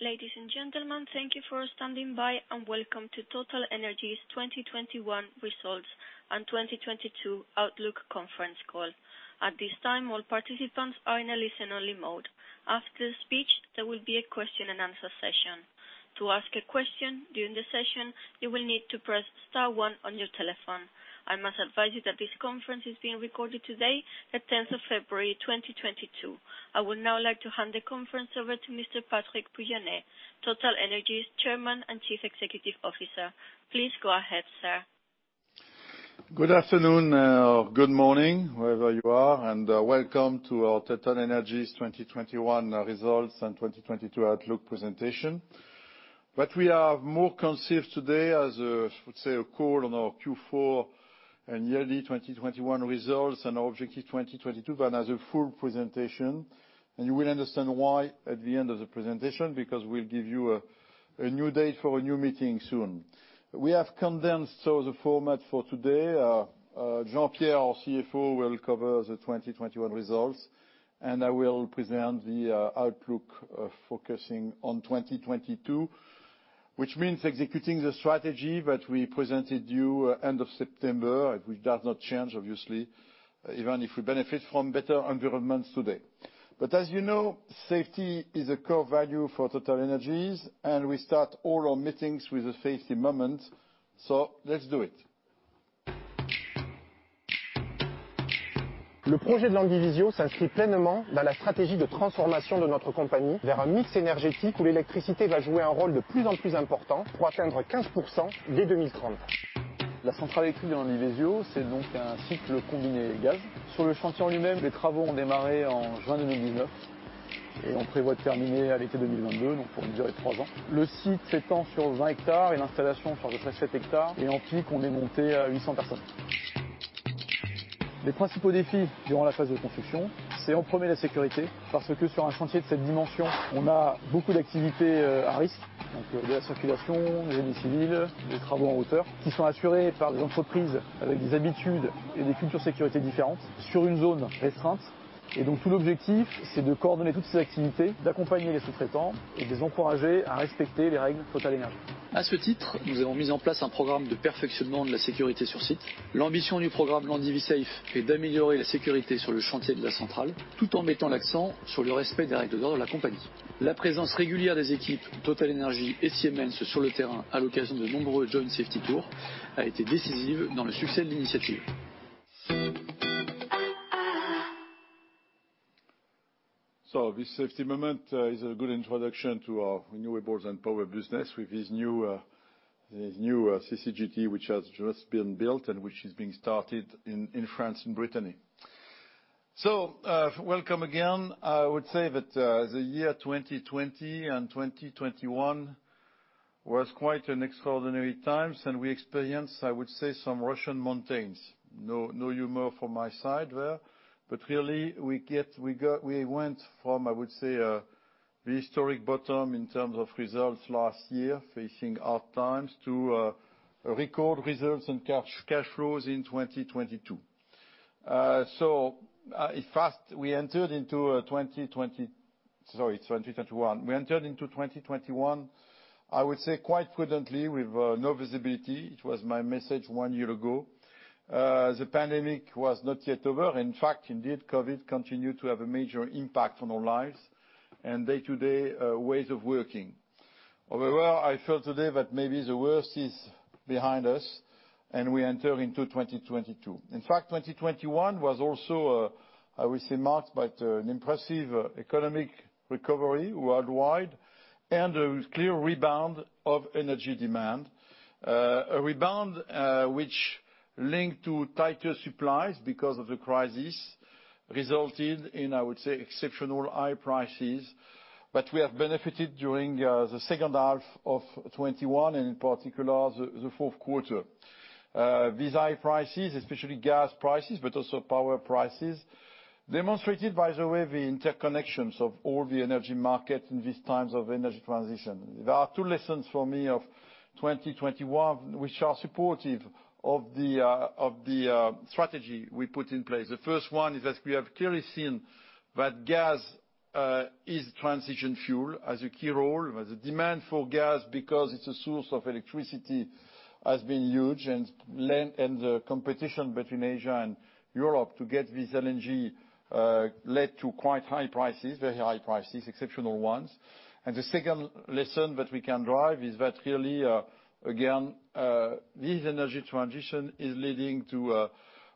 Ladies and gentlemen, thank you for standing by, and welcome to TotalEnergies's 2021 results and 2022 outlook conference call. At this time, all participants are in a listen-only mode. After the speech, there will be a question-and-answer session. To ask a question during the session, you will need to press star one on your telephone. I must advise you that this conference is being recorded today, the 10th of February, 2022. I would now like to hand the conference over to Mr. Patrick Pouyanné, TotalEnergies Chairman and Chief Executive Officer. Please go ahead, sir. Good afternoon, or good morning, wherever you are, and welcome to our TotalEnergies 2021 results and 2022 outlook presentation. We are more concerned today as a, I would say, a call on our Q4 and yearly 2021 results and our objective 2022 than as a full presentation. You will understand why at the end of the presentation, because we'll give you a new date for a new meeting soon. We have condensed the format for today. Jean-Pierre, our CFO, will cover the 2021 results, and I will present the outlook, focusing on 2022, which means executing the strategy that we presented you end of September, which does not change, obviously, even if we benefit from better environments today. As you know, safety is a core value for TotalEnergies, and we start all our meetings with a safety moment, so let's do it. This safety moment is a good introduction to our renewables and power business with this new CCGT, which has just been built and which is being started in France and Brittany. Welcome again. I would say that the year 2020 and 2021 was quite an extraordinary times, and we experienced, I would say, some Russian mountains. No, no humor from my side there. Really we went from, I would say, a historic bottom in terms of results last year, facing hard times, to a record results and cash flows in 2022. In fact, we entered into 2021. We entered into 2021, I would say, quite prudently with no visibility. It was my message one year ago. The pandemic was not yet over. In fact, indeed, COVID continued to have a major impact on our lives and day-to-day ways of working. However, I feel today that maybe the worst is behind us, and we enter into 2022. In fact, 2021 was also, I would say, marked by an impressive economic recovery worldwide and a clear rebound of energy demand. A rebound, which linked to tighter supplies because of the crisis, resulted in, I would say, exceptional high prices. We have benefited during the second half of 2021, and in particular, the fourth quarter. These high prices, especially gas prices, but also power prices, demonstrated by the way the interconnections of all the energy markets in these times of energy transition. There are two lessons for me of 2021 which are supportive of the strategy we put in place. The first one is that we have clearly seen that gas is transition fuel, has a key role. The demand for gas, because it's a source of electricity, has been huge, and LNG, and the competition between Asia and Europe to get this LNG led to quite high prices, very high prices, exceptional ones. The second lesson that we can derive is that really, again, this energy transition is leading to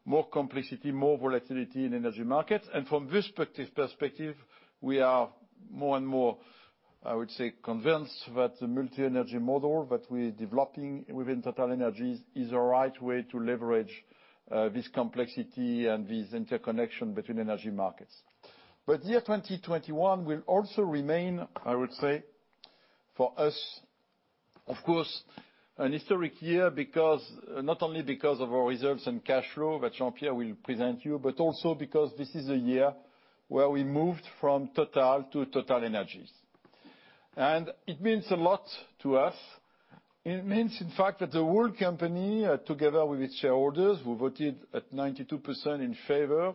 more complexity, more volatility in energy markets. From this perspective, we are more and more, I would say, convinced that the multi-energy model that we're developing within TotalEnergies is a right way to leverage this complexity and this interconnection between energy markets. The year 2021 will also remain, I would say, for us, of course, an historic year because, not only because of our reserves and cash flow that Jean-Pierre will present you, but also because this is a year where we moved from Total to TotalEnergies. It means a lot to us. It means, in fact, that the whole company, together with its shareholders, who voted at 92% in favor,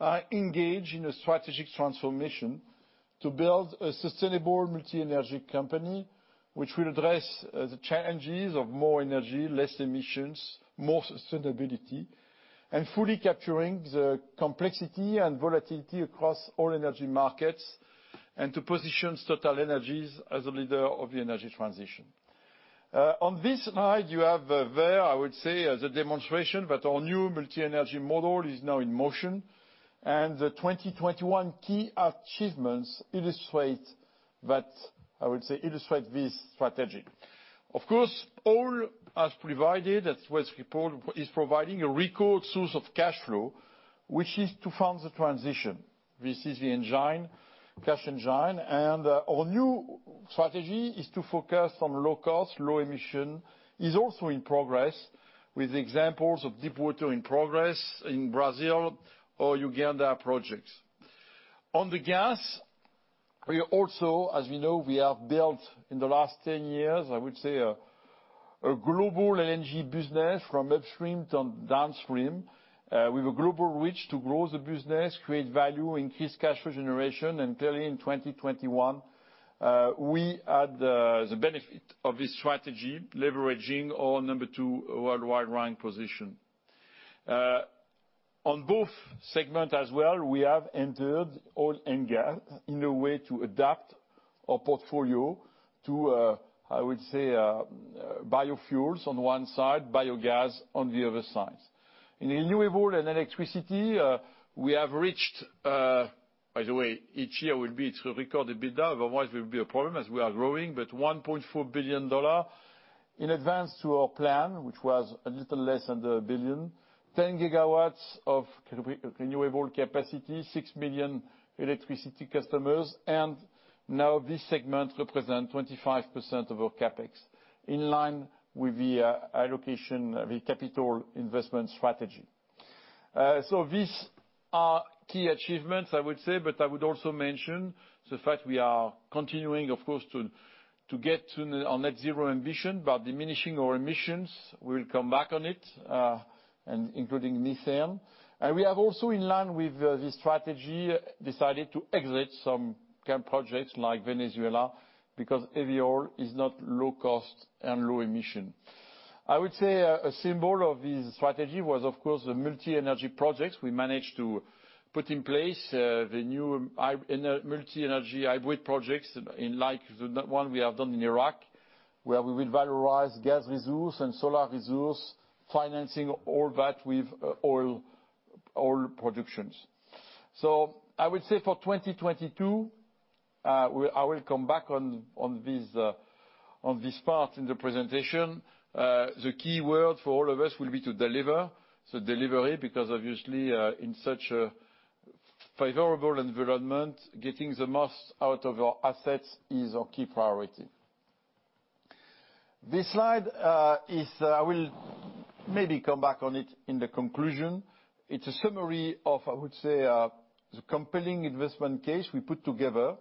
are engaged in a strategic transformation to build a sustainable multi-energy company which will address the challenges of more energy, less emissions, more sustainability, and fully capturing the complexity and volatility across all energy markets, and to position TotalEnergies as a leader of the energy transition. On this slide, you have there, I would say, as a demonstration that our new multi-energy model is now in motion, and the 2021 key achievements illustrate that, I would say, this strategy. Of course, oil has provided, as was reported, is providing a record source of cash flow, which is to fund the transition. This is the engine, cash engine. Our new strategy is to focus on low cost, low emission, is also in progress with examples of deepwater in progress in Brazil or Uganda projects. On the gas, we also, as we know, we have built in the last 10 years, I would say, a global LNG business from upstream to downstream, with a global reach to grow the business, create value, increase cash flow generation. Clearly, in 2021, we had the benefit of this strategy, leveraging our number two worldwide rank position. On both segment as well, we have entered oil and gas in a way to adapt our portfolio to, I would say, biofuels on one side, biogas on the other side. In renewable and electricity, we have reached, by the way, each year will be to record EBITDA, otherwise there will be a problem as we are growing, but $1.4 billion in advance to our plan, which was a little less than a billion. 10 GW of renewable capacity, 6 million electricity customers. Now this segment represent 25% of our CapEx, in line with the allocation, the capital investment strategy. So these are key achievements, I would say, but I would also mention the fact we are continuing, of course, to get to our net zero emission by diminishing our emissions. We'll come back on it, and including methane. We have also, in line with this strategy, decided to exit some camp projects like Venezuela because heavy oil is not low cost and low emission. I would say a symbol of this strategy was, of course, the multi-energy projects. We managed to put in place the new multi-energy hybrid projects in like the one we have done in Iraq, where we will valorize gas resource and solar resource, financing all that with oil productions. I would say for 2022, I will come back on this part in the presentation. The key word for all of us will be to deliver, so delivery, because obviously, in such a favorable environment, getting the most out of our assets is our key priority. This slide is, I will maybe come back on it in the conclusion. It's a summary of, I would say, the compelling investment case we put together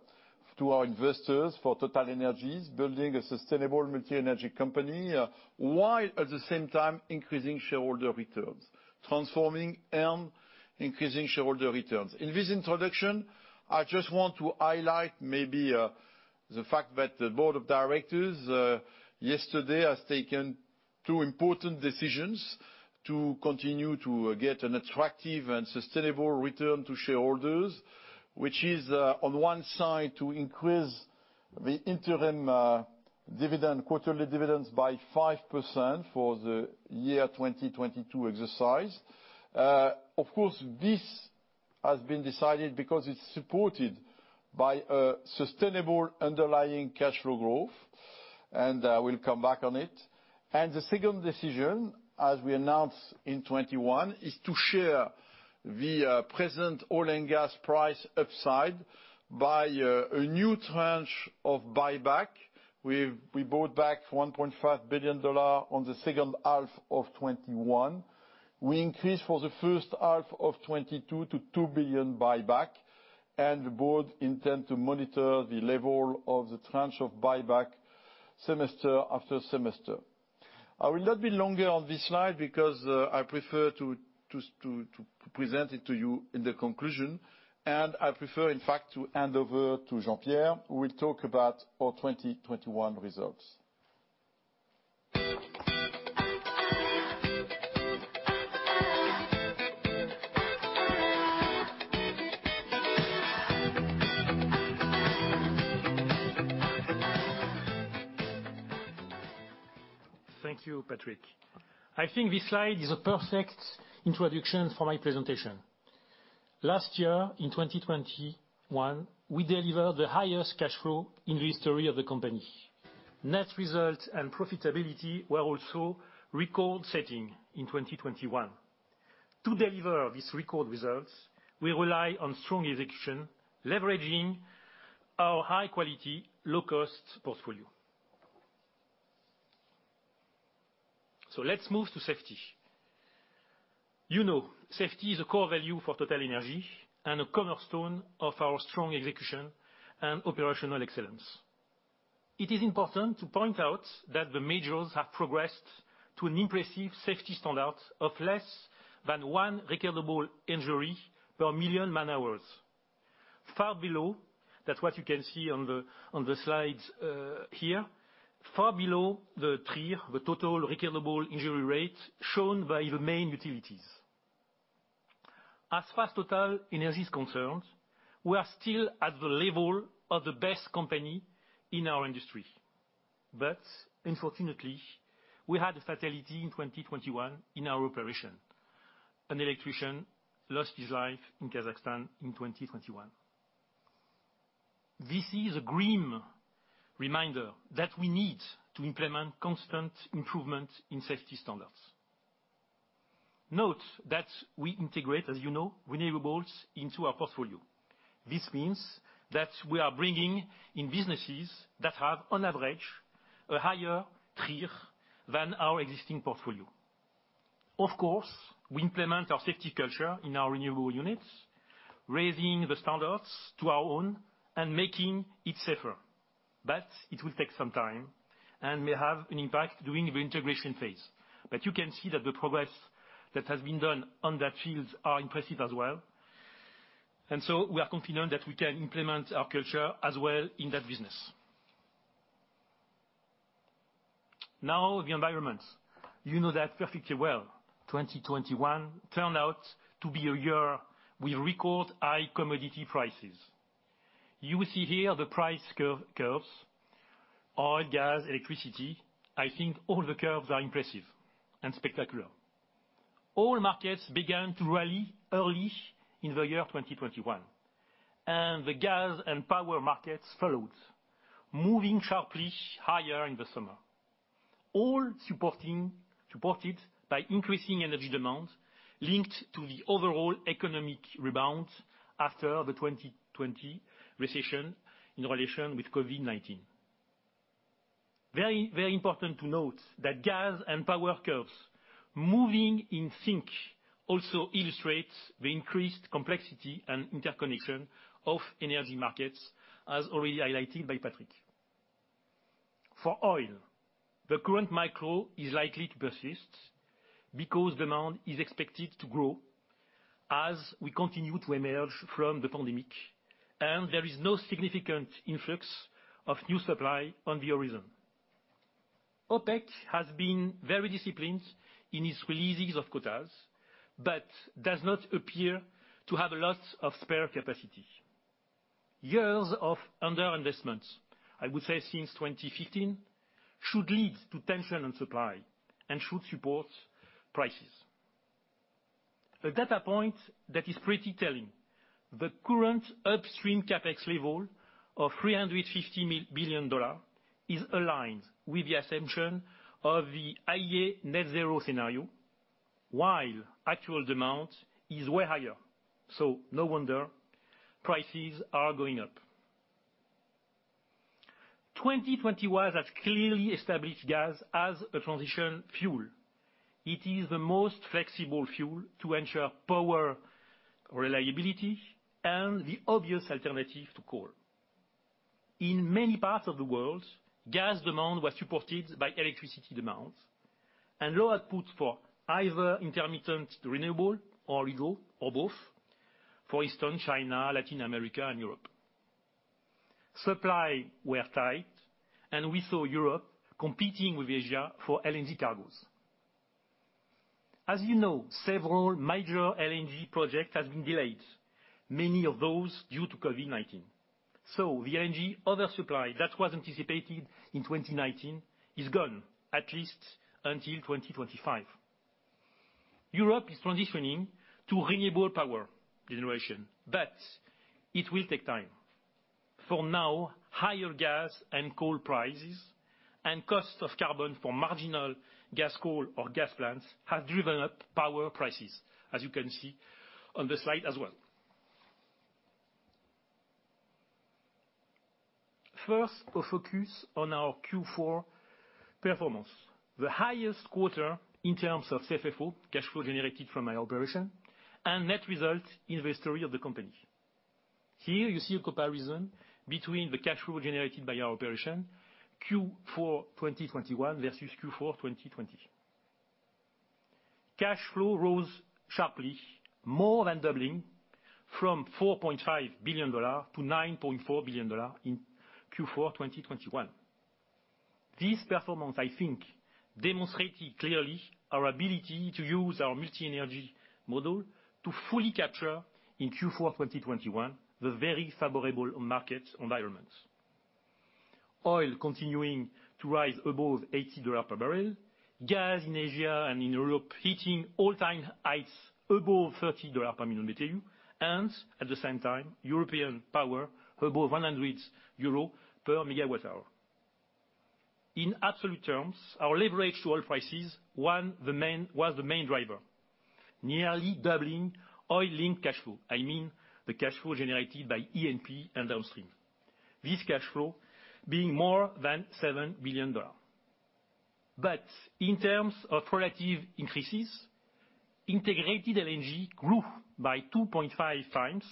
to our investors for TotalEnergies, building a sustainable multi-energy company, while at the same time increasing shareholder returns, transforming and increasing shareholder returns. In this introduction, I just want to highlight maybe the fact that the Board of Directors yesterday has taken two important decisions to continue to get an attractive and sustainable return to shareholders, which is on one side to increase the interim dividend, quarterly dividends by 5% for the year 2022 exercise. Of course, this has been decided because it's supported by a sustainable underlying cash flow growth, and we'll come back on it. The second decision, as we announced in 2021, is to share the present oil and gas price upside by a new tranche of buyback. We bought back $1.5 billion in the second half of 2021. We increased for the first half of 2022 to $2 billion buyback, and the board intend to monitor the level of the tranche of buyback semester after semester. I will not be longer on this slide because I prefer to present it to you in the conclusion, and I prefer, in fact, to hand over to Jean-Pierre, who will talk about our 2021 results. Thank you, Patrick. I think this slide is a perfect introduction for my presentation. Last year, in 2021, we delivered the highest cash flow in the history of the company. Net results and profitability were also record-setting in 2021. To deliver these record results, we rely on strong execution, leveraging our high quality, low costs portfolio. Let's move to safety. You know, safety is a core value for TotalEnergies and a cornerstone of our strong execution and operational excellence. It is important to point out that the majors have progressed to an impressive safety standard of less than one recordable injury per million man-hours. Far below, that's what you can see on the slides here. Far below the TRIR, the total recordable injury rate shown by the main utilities. As far as TotalEnergies is concerned, we are still at the level of the best company in our industry. Unfortunately, we had a fatality in 2021 in our operation. An electrician lost his life in Kazakhstan in 2021. This is a grim reminder that we need to implement constant improvement in safety standards. Note that we integrate, as you know, renewables into our portfolio. This means that we are bringing in businesses that have, on average, a higher TRIR than our existing portfolio. Of course, we implement our safety culture in our renewable units, raising the standards to our own and making it safer. It will take some time and may have an impact during the integration phase. You can see that the progress that has been done on that field are impressive as well. We are confident that we can implement our culture as well in that business. Now the environment. You know that perfectly well, 2021 turned out to be a year with record high commodity prices. You will see here the price curves. Oil, gas, electricity. I think all the curves are impressive and spectacular. All markets began to rally early in the year 2021, and the gas and power markets followed, moving sharply higher in the summer. Supported by increasing energy demand linked to the overall economic rebound after the 2020 recession in relation with COVID-19. Very, very important to note that gas and power curves moving in sync also illustrates the increased complexity and interconnection of energy markets, as already highlighted by Patrick. For oil, the current macro is likely to persist because demand is expected to grow as we continue to emerge from the pandemic, and there is no significant influx of new supply on the horizon. OPEC has been very disciplined in its releases of quotas, but does not appear to have lots of spare capacity. Years of under investments, I would say since 2015, should lead to tension on supply and should support prices. The data point that is pretty telling, the current upstream CapEx level of $350 billion is aligned with the assumption of the IEA net zero scenario, while actual demand is way higher. No wonder prices are going up. 2021 has clearly established gas as a transition fuel. It is the most flexible fuel to ensure power reliability and the obvious alternative to coal. In many parts of the world, gas demand was supported by electricity demand and low output for either intermittent renewable or coal, or both. For instance, China, Latin America, and Europe. Supplies were tight, and we saw Europe competing with Asia for LNG cargos. As you know, several major LNG projects have been delayed, many of those due to COVID-19. The LNG oversupply that was anticipated in 2019 is gone, at least until 2025. Europe is transitioning to renewable power generation, but it will take time. For now, higher gas and coal prices and cost of carbon for marginal gas, coal or gas plants have driven up power prices, as you can see on the slide as well. First, a focus on our Q4 performance. The highest quarter in terms of CFFO, cash flow generated from our operations and net result in the history of the company. Here you see a comparison between the cash flow generated by our operation, Q4 2021 versus Q4 2020. Cash flow rose sharply, more than doubling from $4.5 billion to $9.4 billion in Q4 2021. This performance, I think, demonstrated clearly our ability to use our multi-energy model to fully capture in Q4 2021 the very favorable market environment. Oil continuing to rise above $80 per barrel. Gas in Asia and in Europe hitting all-time highs above $30 per million BTU. And at the same time, European power above 100 euros per megawatt hour. In absolute terms, our leverage to oil prices one, the main, was the main driver. Nearly doubling oil linked cash flow. I mean, the cash flow generated by E&P and downstream. This cash flow being more than $7 billion. In terms of productive increases, integrated LNG grew by 2.5 times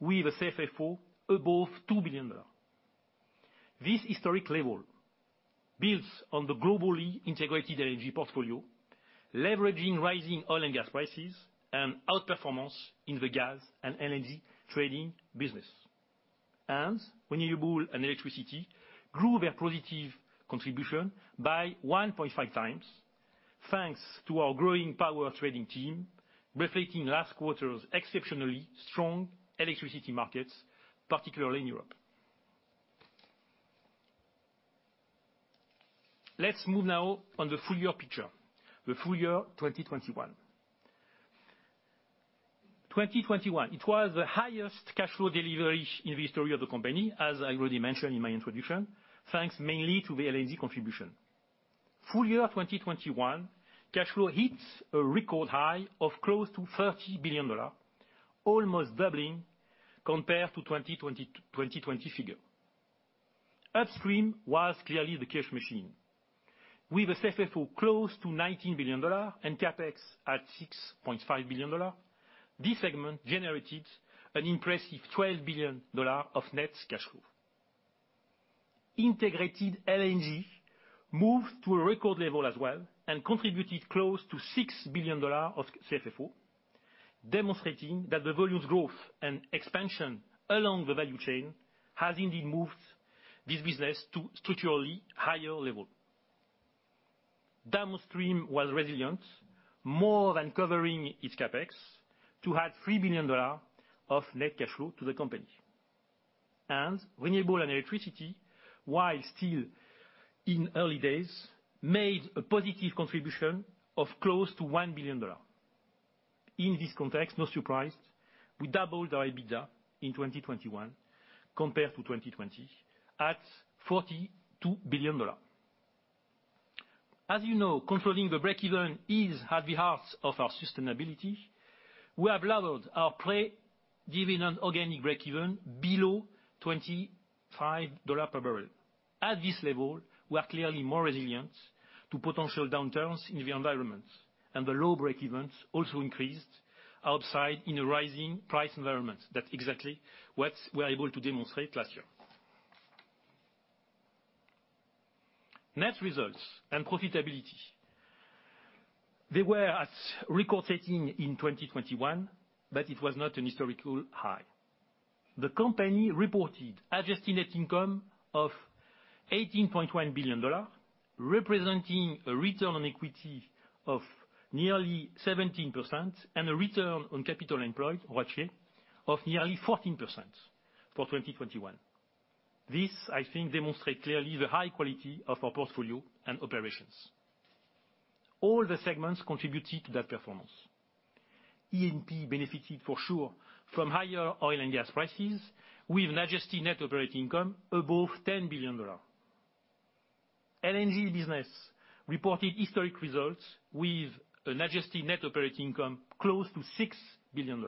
with a CFFO above $2 billion. This historic level builds on the globally integrated LNG portfolio, leveraging rising oil and gas prices, and outperformance in the gas and LNG trading business. Renewable and electricity grew their positive contribution by 1.5 times, thanks to our growing power trading team, reflecting last quarter's exceptionally strong electricity markets, particularly in Europe. Let's move now on the full year picture. The full year 2021. 2021, it was the highest cash flow delivery in the history of the company, as I already mentioned in my introduction, thanks mainly to the LNG contribution. Full year 2021, cash flow hits a record high of close to $30 billion, almost doubling compared to 2020 figure. Upstream was clearly the cash machine with a CFFO close to $19 billion and CapEx at $6.5 billion. This segment generated an impressive $12 billion of net cash flow. Integrated LNG moved to a record level as well and contributed close to $6 billion of CFFO, demonstrating that the volumes growth and expansion along the value chain has indeed moved this business to structurally higher level. Downstream was resilient, more than covering its CapEx to add $3 billion of net cash flow to the company. Renewable and electricity, while still in early days, made a positive contribution of close to $1 billion. In this context, no surprise we doubled our EBITDA in 2021 compared to 2020 at $42 billion. As you know, controlling the break-even is at the heart of our sustainability. We have leveled our pre-dividend organic break-even below $25 per barrel. At this level, we are clearly more resilient to potential downturns in the environment, and the low break-evens also increased upside in a rising price environment. That's exactly what we are able to demonstrate last year. Net results and profitability were at record-setting in 2021, but it was not an historical high. The company reported adjusted net income of $18.1 billion, representing a return on equity of nearly 17%, and a return on capital employed, ROCE, of nearly 14% for 2021. This, I think, demonstrate clearly the high quality of our portfolio and operations. All the segments contributed to that performance. E&P benefited for sure from higher oil and gas prices with an adjusted net operating income above $10 billion. LNG business reported historic results with an adjusted net operating income close to $6 billion.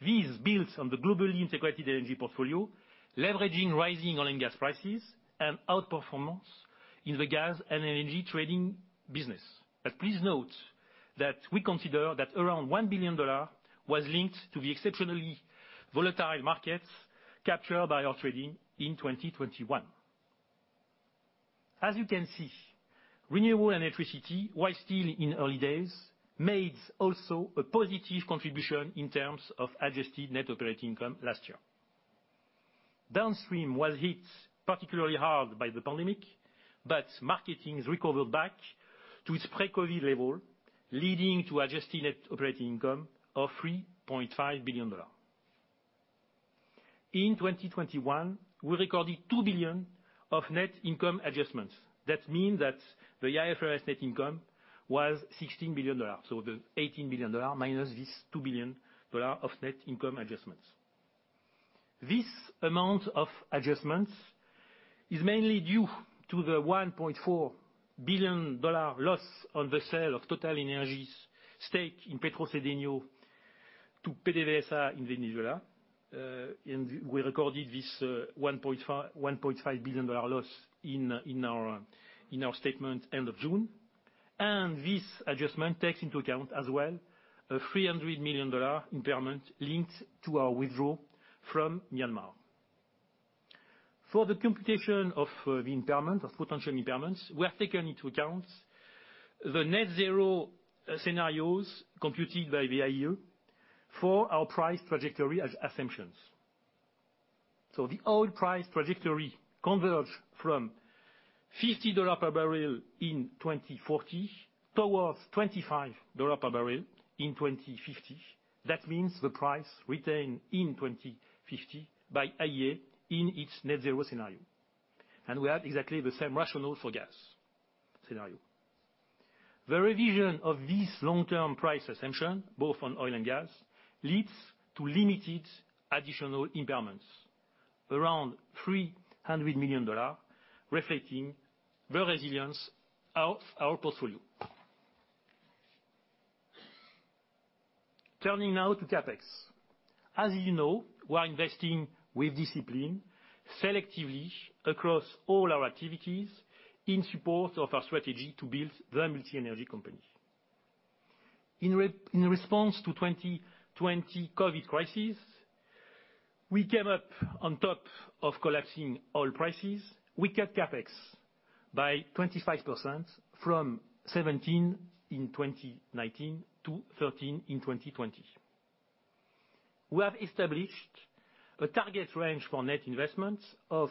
This builds on the globally integrated LNG portfolio, leveraging rising oil and gas prices, and outperformance in the gas and LNG trading business. Please note that we consider that around $1 billion was linked to the exceptionally volatile markets captured by our trading in 2021. As you can see, renewable and electricity, while still in early days, made also a positive contribution in terms of adjusted net operating income last year. Downstream was hit particularly hard by the pandemic, but marketing's recovered back to its pre-COVID level, leading to adjusted net operating income of $3.5 billion. In 2021, we recorded $2 billion of net income adjustments. That means that the IFRS net income was $16 billion, so the $18 billion minus this $2 billion of net income adjustments. This amount of adjustments is mainly due to the $1.4 billion loss on the sale of TotalEnergies stake in Petrocedeño to PDVSA in Venezuela. We recorded this one point five billion dollar loss in our statement end of June. This adjustment takes into account as well a $300 million impairment linked to our withdrawal from Myanmar. For the computation of the impairment of potential impairments, we have taken into account the net zero scenarios computed by the IEA for our price trajectory as assumptions. The oil price trajectory converge from $50 per barrel in 2040 towards $25 per barrel in 2050. That means the price retained in 2050 by IEA in its net zero scenario. We have exactly the same rationale for gas scenario. The revision of this long-term price assumption, both on oil and gas, leads to limited additional impairments. Around $300 million, reflecting the resilience of our portfolio. Turning now to CapEx. As you know, we are investing with discipline selectively across all our activities in support of our strategy to build the multi-energy company. In response to 2020 COVID-19 crisis, we came up on top of collapsing oil prices. We cut CapEx by 25% from $17 billion in 2019 to $13 billion in 2020. We have established a target range for net investments of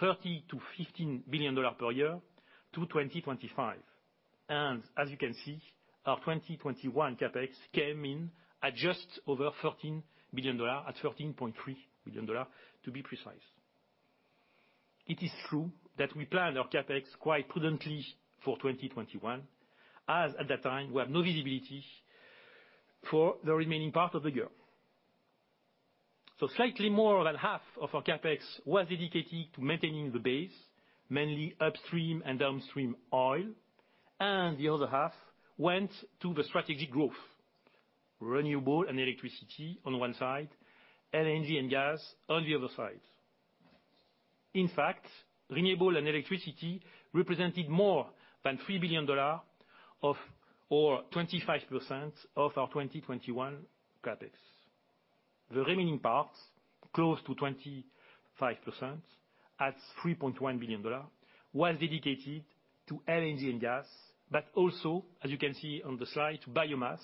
$30 billion-$15 billion per year to 2025. As you can see, our 2021 CapEx came in at just over $13 billion, at $13.3 billion to be precise. It is true that we plan our CapEx quite prudently for 2021, as at that time, we have no visibility for the remaining part of the year. Slightly more than half of our CapEx was dedicated to maintaining the base, mainly upstream and downstream oil, and the other half went to the strategic growth. Renewable and electricity on one side, LNG and gas on the other side. In fact, renewable and electricity represented more than $3 billion or 25% of our 2021 CapEx. The remaining parts, close to 25% at $3.1 billion, was dedicated to LNG and gas. As you can see on the slide, biomass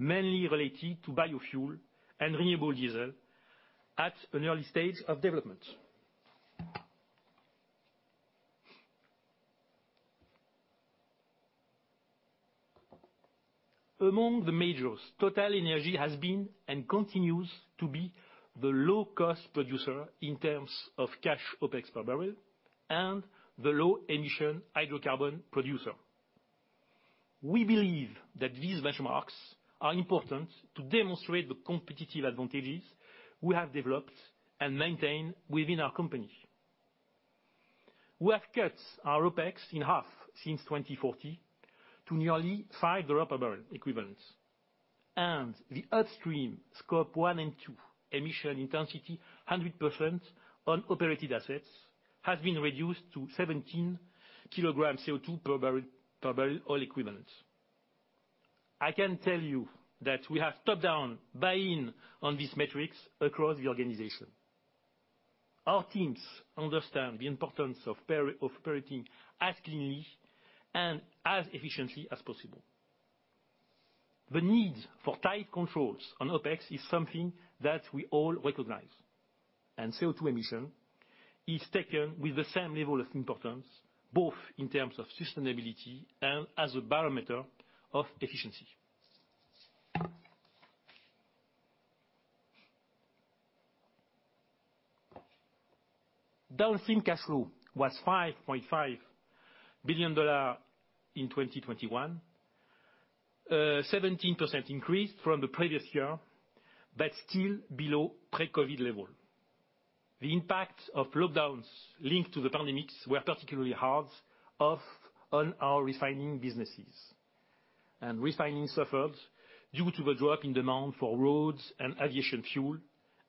mainly related to biofuel and renewable diesel at an early stage of development. Among the majors, TotalEnergies has been and continues to be the low-cost producer in terms of cash OPEX per barrel and the low-emission hydrocarbon producer. We believe that these benchmarks are important to demonstrate the competitive advantages we have developed and maintain within our company. We have cut our OPEX in half since 2014 to nearly $5 per barrel equivalents. The upstream Scope 1 and 2 emission intensity 100% on operated assets has been reduced to 17 kilograms CO2 per barrel of oil equivalents. I can tell you that we have top-down buy-in on these metrics across the organization. Our teams understand the importance of operating as cleanly and as efficiently as possible. The need for tight controls on OPEX is something that we all recognize, and CO2 emission is taken with the same level of importance, both in terms of sustainability and as a barometer of efficiency. Downstream cash flow was $5.5 billion in 2021. 17% increase from the previous year, but still below pre-COVID level. The impact of lockdowns linked to the pandemic was particularly hard on our refining businesses. Refining suffered due to the drop in demand for road and aviation fuel,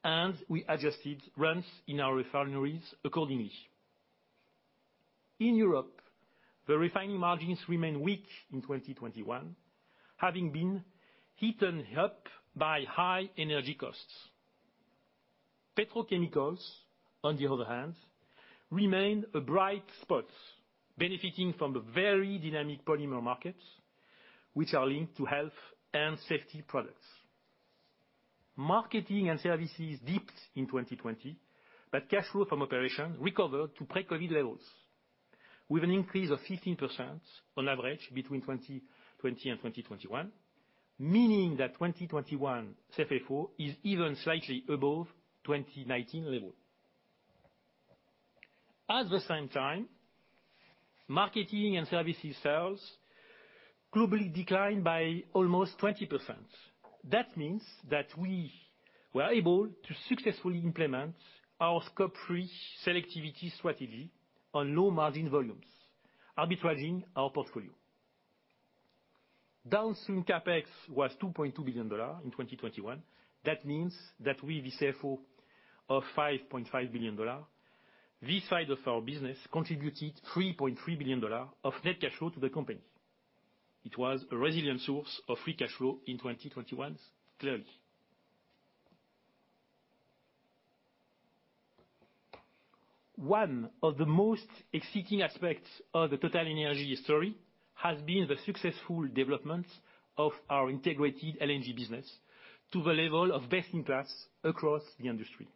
and we adjusted runs in our refineries accordingly. In Europe, the refining margins remained weak in 2021, having been eaten up by high energy costs. Petrochemicals, on the other hand, remain a bright spot, benefiting from the very dynamic polymer markets, which are linked to health and safety products. Marketing and services dipped in 2020, but cash flow from operations recovered to pre-COVID levels with an increase of 15% on average between 2020 and 2021, meaning that 2021 CFFO is even slightly above 2019 level. At the same time, marketing and services sales globally declined by almost 20%. That means that we were able to successfully implement our Scope 3 selectivity strategy on low-margin volumes, arbitraging our portfolio. Downstream CapEx was $2.2 billion in 2021. That means that with the CFFO of $5.5 billion, this side of our business contributed $3.3 billion of net cash flow to the company. It was a resilient source of free cash flow in 2021, clearly. One of the most exciting aspects of the TotalEnergies story has been the successful development of our integrated LNG business to the level of best-in-class across the industry.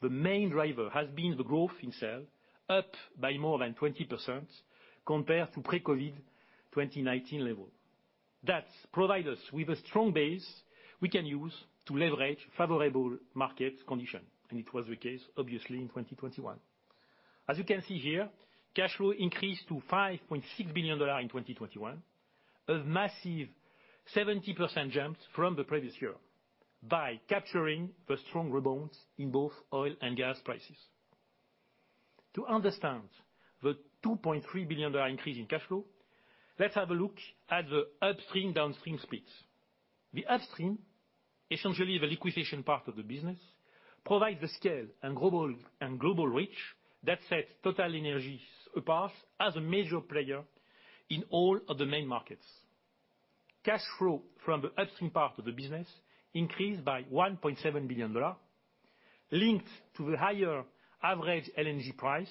The main driver has been the growth in sales, up by more than 20% compared to pre-COVID-19 2019 level. That provides us with a strong base we can use to leverage favorable market conditions, and it was the case obviously in 2021. As you can see here, cash flow increased to $5.6 billion in 2021. A massive 70% jump from the previous year by capturing the strong rebounds in both oil and gas prices. To understand the $2.3 billion increase in cash flow, let's have a look at the upstream, downstream splits. The upstream, essentially the exploration part of the business, provides the scale and global reach that sets TotalEnergies apart as a major player in all of the main markets. Cash flow from the upstream part of the business increased by $1.7 billion, linked to the higher average LNG price,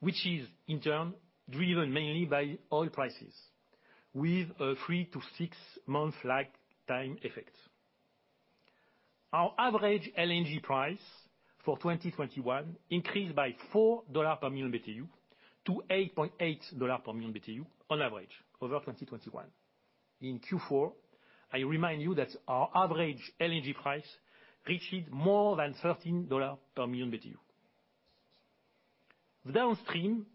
which is in turn driven mainly by oil prices with a three to six month lag time effect. Our average LNG price for 2021 increased by $4 per million BTU to $8.8 per million BTU on average over 2021. In Q4, I remind you that our average LNG price reached more than $13 per million BTU. The downstream,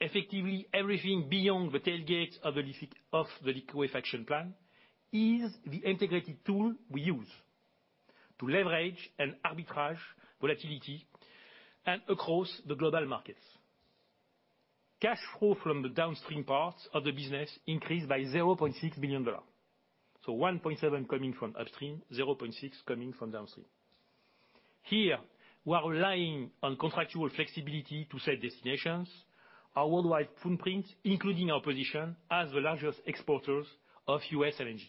effectively everything beyond the tailgate of the liquefaction plant, is the integrated tool we use to leverage and arbitrage volatility and across the global markets. Cash flow from the downstream parts of the business increased by $0.6 billion. $1.7 billion coming from upstream, $0.6 billion coming from downstream. Here, we are relying on contractual flexibility to set destinations. Our worldwide footprint, including our position as the largest exporters of U.S. LNG.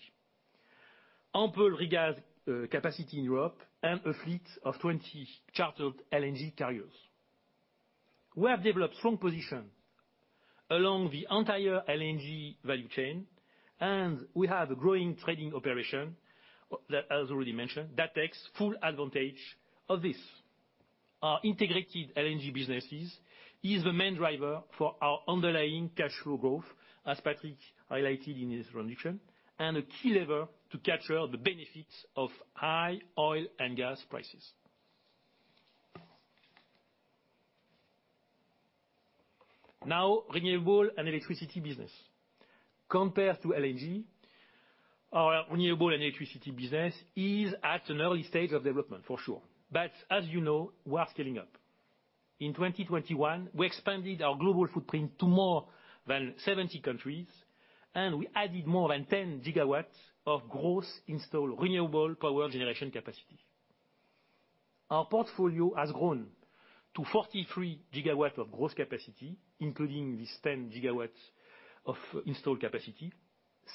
Ample regas capacity in Europe and a fleet of 20 chartered LNG carriers. We have developed strong position along the entire LNG value chain, and we have a growing trading operation that, as already mentioned, takes full advantage of this. Our integrated LNG businesses is the main driver for our underlying cash flow growth, as Patrick highlighted in his introduction, and a key lever to capture the benefits of high oil and gas prices. Now, the renewable and electricity business. Compared to LNG, our renewable and electricity business is at an early stage of development for sure. As you know, we are scaling up. In 2021, we expanded our global footprint to more than 70 countries, and we added more than 10 GW of gross installed renewable power generation capacity. Our portfolio has grown to 43 GW of gross capacity, including this 10 GW of installed capacity,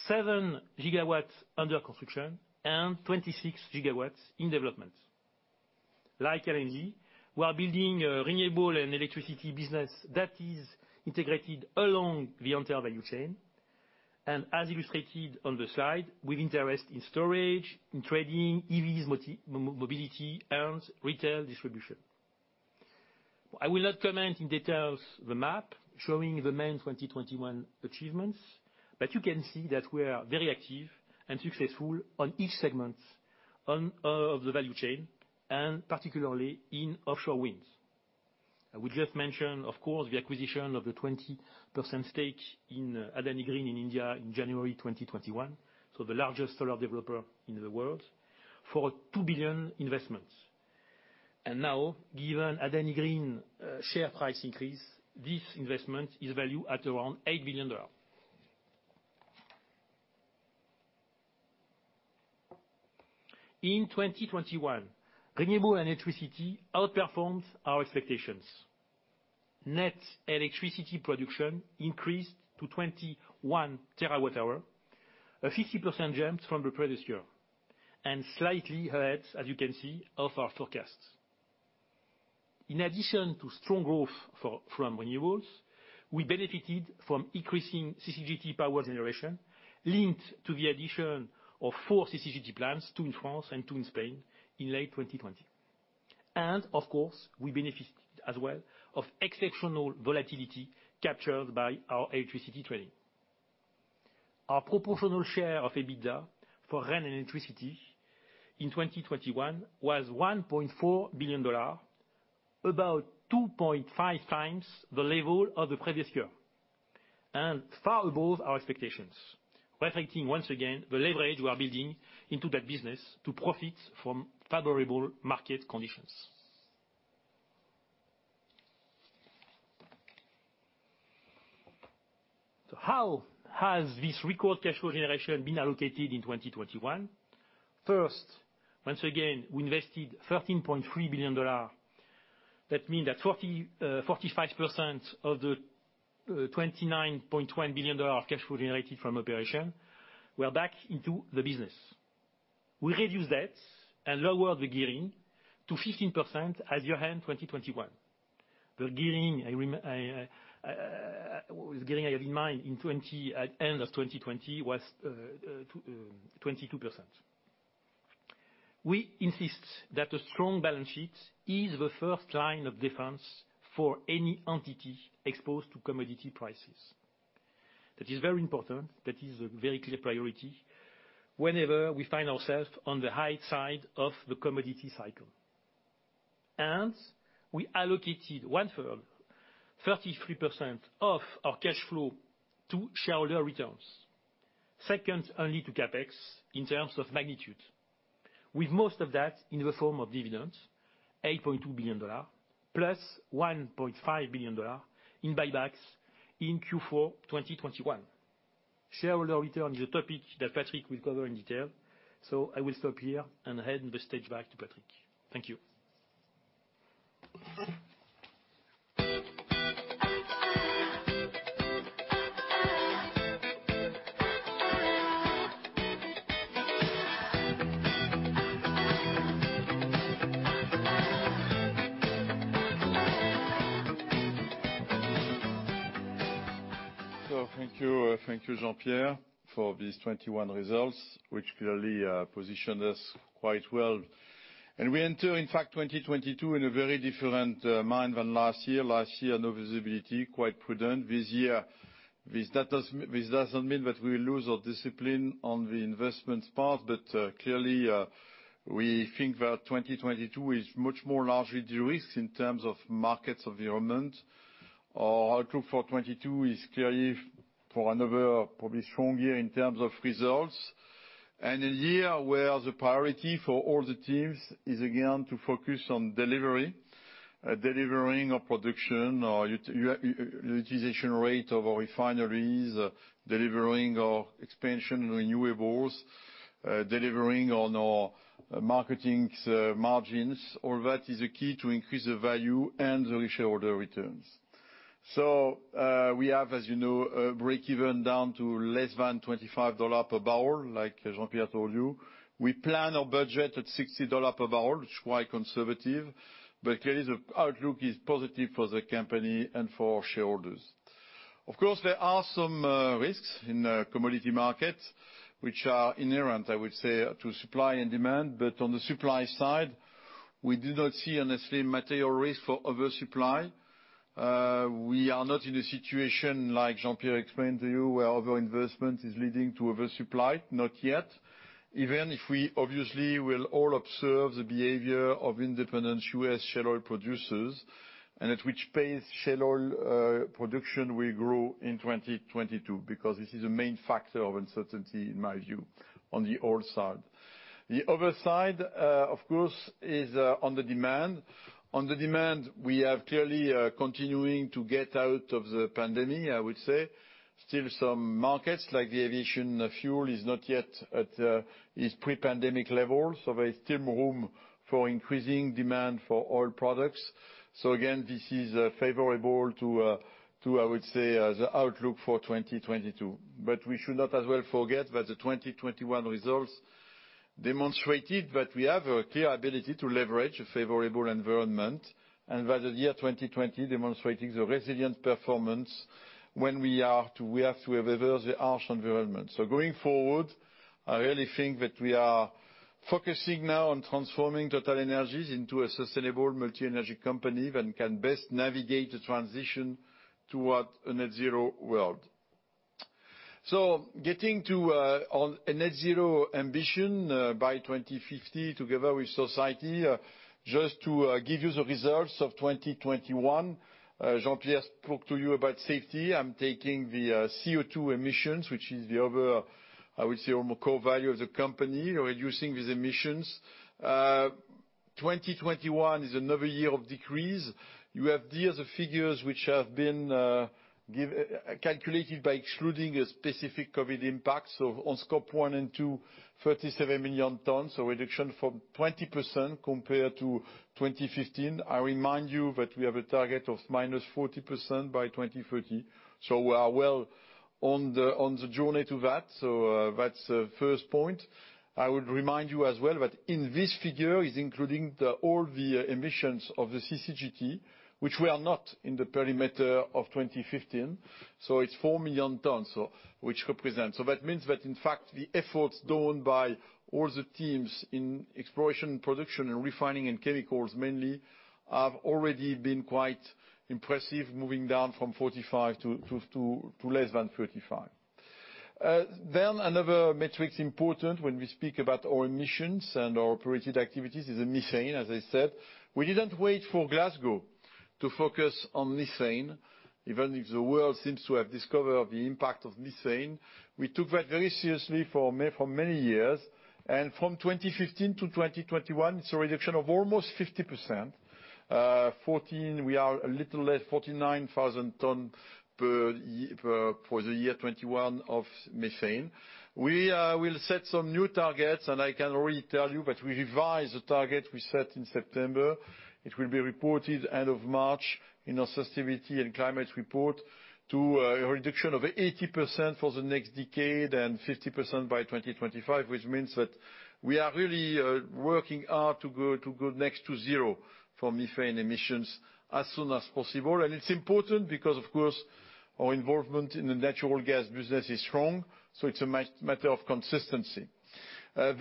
7 GW under construction, and 26 GW in development. Like LNG, we are building a renewable and electricity business that is integrated along the entire value chain. As illustrated on the slide, with interest in storage, in trading, EVs, mobility, and retail distribution. I will not comment in detail the map showing the main 2021 achievements, but you can see that we are very active and successful on each segment of the value chain, and particularly in offshore wind. I will just mention, of course, the acquisition of the 20% stake in Adani Green in India in January 2021, so the largest solar developer in the world, for $2 billion investment. Now, given Adani Green share price increase, this investment is valued at around $8 billion. In 2021, renewable and electricity outperformed our expectations. Net electricity production increased to 21 terawatt-hours, a 50% jump from the previous year, and slightly ahead, as you can see, of our forecasts. In addition to strong growth from renewables, we benefited from increasing CCGT power generation linked to the addition of four CCGT plants, two in France and two in Spain, in late 2020. Of course, we benefited from exceptional volatility captured by our electricity trading. Our proportional share of EBITDA for renewable electricity in 2021 was $1.4 billion, about 2.5 times the level of the previous year, and far above our expectations, reflecting once again the leverage we are building into that business to profit from favorable market conditions. How has this record cash flow generation been allocated in 2021? First, once again, we invested $13.3 billion. That means that 45% of the $29.1 billion of cash flow generated from operations were back into the business. We reduced debt and lowered the gearing to 15% at year-end 2021. The gearing I had in mind at the end of 2020 was 22%. We insist that a strong balance sheet is the first line of defense for any entity exposed to commodity prices. That is very important, that is a very clear priority whenever we find ourselves on the high side of the commodity cycle. We allocated one third, 33% of our cash flow to shareholder returns, second only to CapEx in terms of magnitude. With most of that in the form of dividends, $8.2 billion + $1.5 billion in buybacks in Q4 2021. Shareholder return is a topic that Patrick will cover in detail, so I will stop here and hand the stage back to Patrick. Thank you. Thank you, Jean-Pierre, for these 2021 results, which clearly positioned us quite well. We enter, in fact, 2022 in a very different mind than last year. Last year, no visibility, quite prudent. This year, this doesn't mean that we lose our discipline on the investment part, but clearly, we think that 2022 is much more largely de-risked in terms of market environment. Our outlook for 2022 is clearly for another probably strong year in terms of results. A year where the priority for all the teams is again to focus on delivery. Delivering our production, utilization rate of our refineries, delivering our expansion in renewables, delivering on our marketing margins. All that is a key to increase the value and the shareholder returns. We have, as you know, a breakeven down to less than $25 per barrel, like Jean-Pierre told you. We plan our budget at $60 per barrel, which is quite conservative, but clearly the outlook is positive for the company and for our shareholders. Of course, there are some risks in the commodity market which are inherent, I would say, to supply and demand. But on the supply side, we do not see a necessarily material risk for oversupply. We are not in a situation like Jean-Pierre explained to you, where overinvestment is leading to oversupply. Not yet. Even if we obviously will all observe the behavior of independent U.S. shale oil producers, and at which pace shale oil production will grow in 2022, because this is a main factor of uncertainty, in my view, on the oil side. The other side, of course, is on the demand. On the demand, we are clearly continuing to get out of the pandemic, I would say. Still some markets, like the aviation fuel is not yet at its pre-pandemic levels, so there is still room for increasing demand for oil products. Again, this is favorable to, I would say, the outlook for 2022. We should not as well forget that the 2021 results demonstrated that we have a clear ability to leverage a favorable environment, and that the year 2020 demonstrating the resilient performance when we have to reverse the harsh environment. Going forward, I really think that we are focusing now on transforming TotalEnergies into a sustainable multi-energy company that can best navigate the transition toward a net zero world. Getting to on a net zero ambition by 2050, together with society, just to give you the results of 2021, Jean-Pierre spoke to you about safety. I'm taking the CO2 emissions, which is the other, I would say, almost core value of the company, reducing these emissions. 2021 is another year of decrease. You have there the figures which have been calculated by excluding a specific COVID impact. On Scope 1 and Scope 2, 37 million tons, so reduction from 20% compared to 2015. I remind you that we have a target of -40% by 2030. We are well on the journey to that. That's the first point. I would remind you as well that in this figure is including all the emissions of the CCGT, which were not in the perimeter of 2015. It's 4 million tons. That means that in fact, the efforts done by all the teams in exploration, production, and refining, and chemicals mainly, have already been quite impressive, moving down from 45 to less than 35. Then another metric important when we speak about our emissions and our operated activities is the methane, as I said. We didn't wait for Glasgow to focus on methane. Even if the world seems to have discovered the impact of methane, we took that very seriously for many years. From 2015-2021, it's a reduction of almost 50%. 14, we are a little less 49,000 tons per year for the year 2021 of methane. We will set some new targets, and I can already tell you that we revised the target we set in September. It will be reported end of March in our sustainability and climate report to a reduction of 80% for the next decade and 50% by 2025, which means that we are really working hard to go next to zero for methane emissions as soon as possible. It's important because, of course, our involvement in the natural gas business is strong, so it's a matter of consistency. On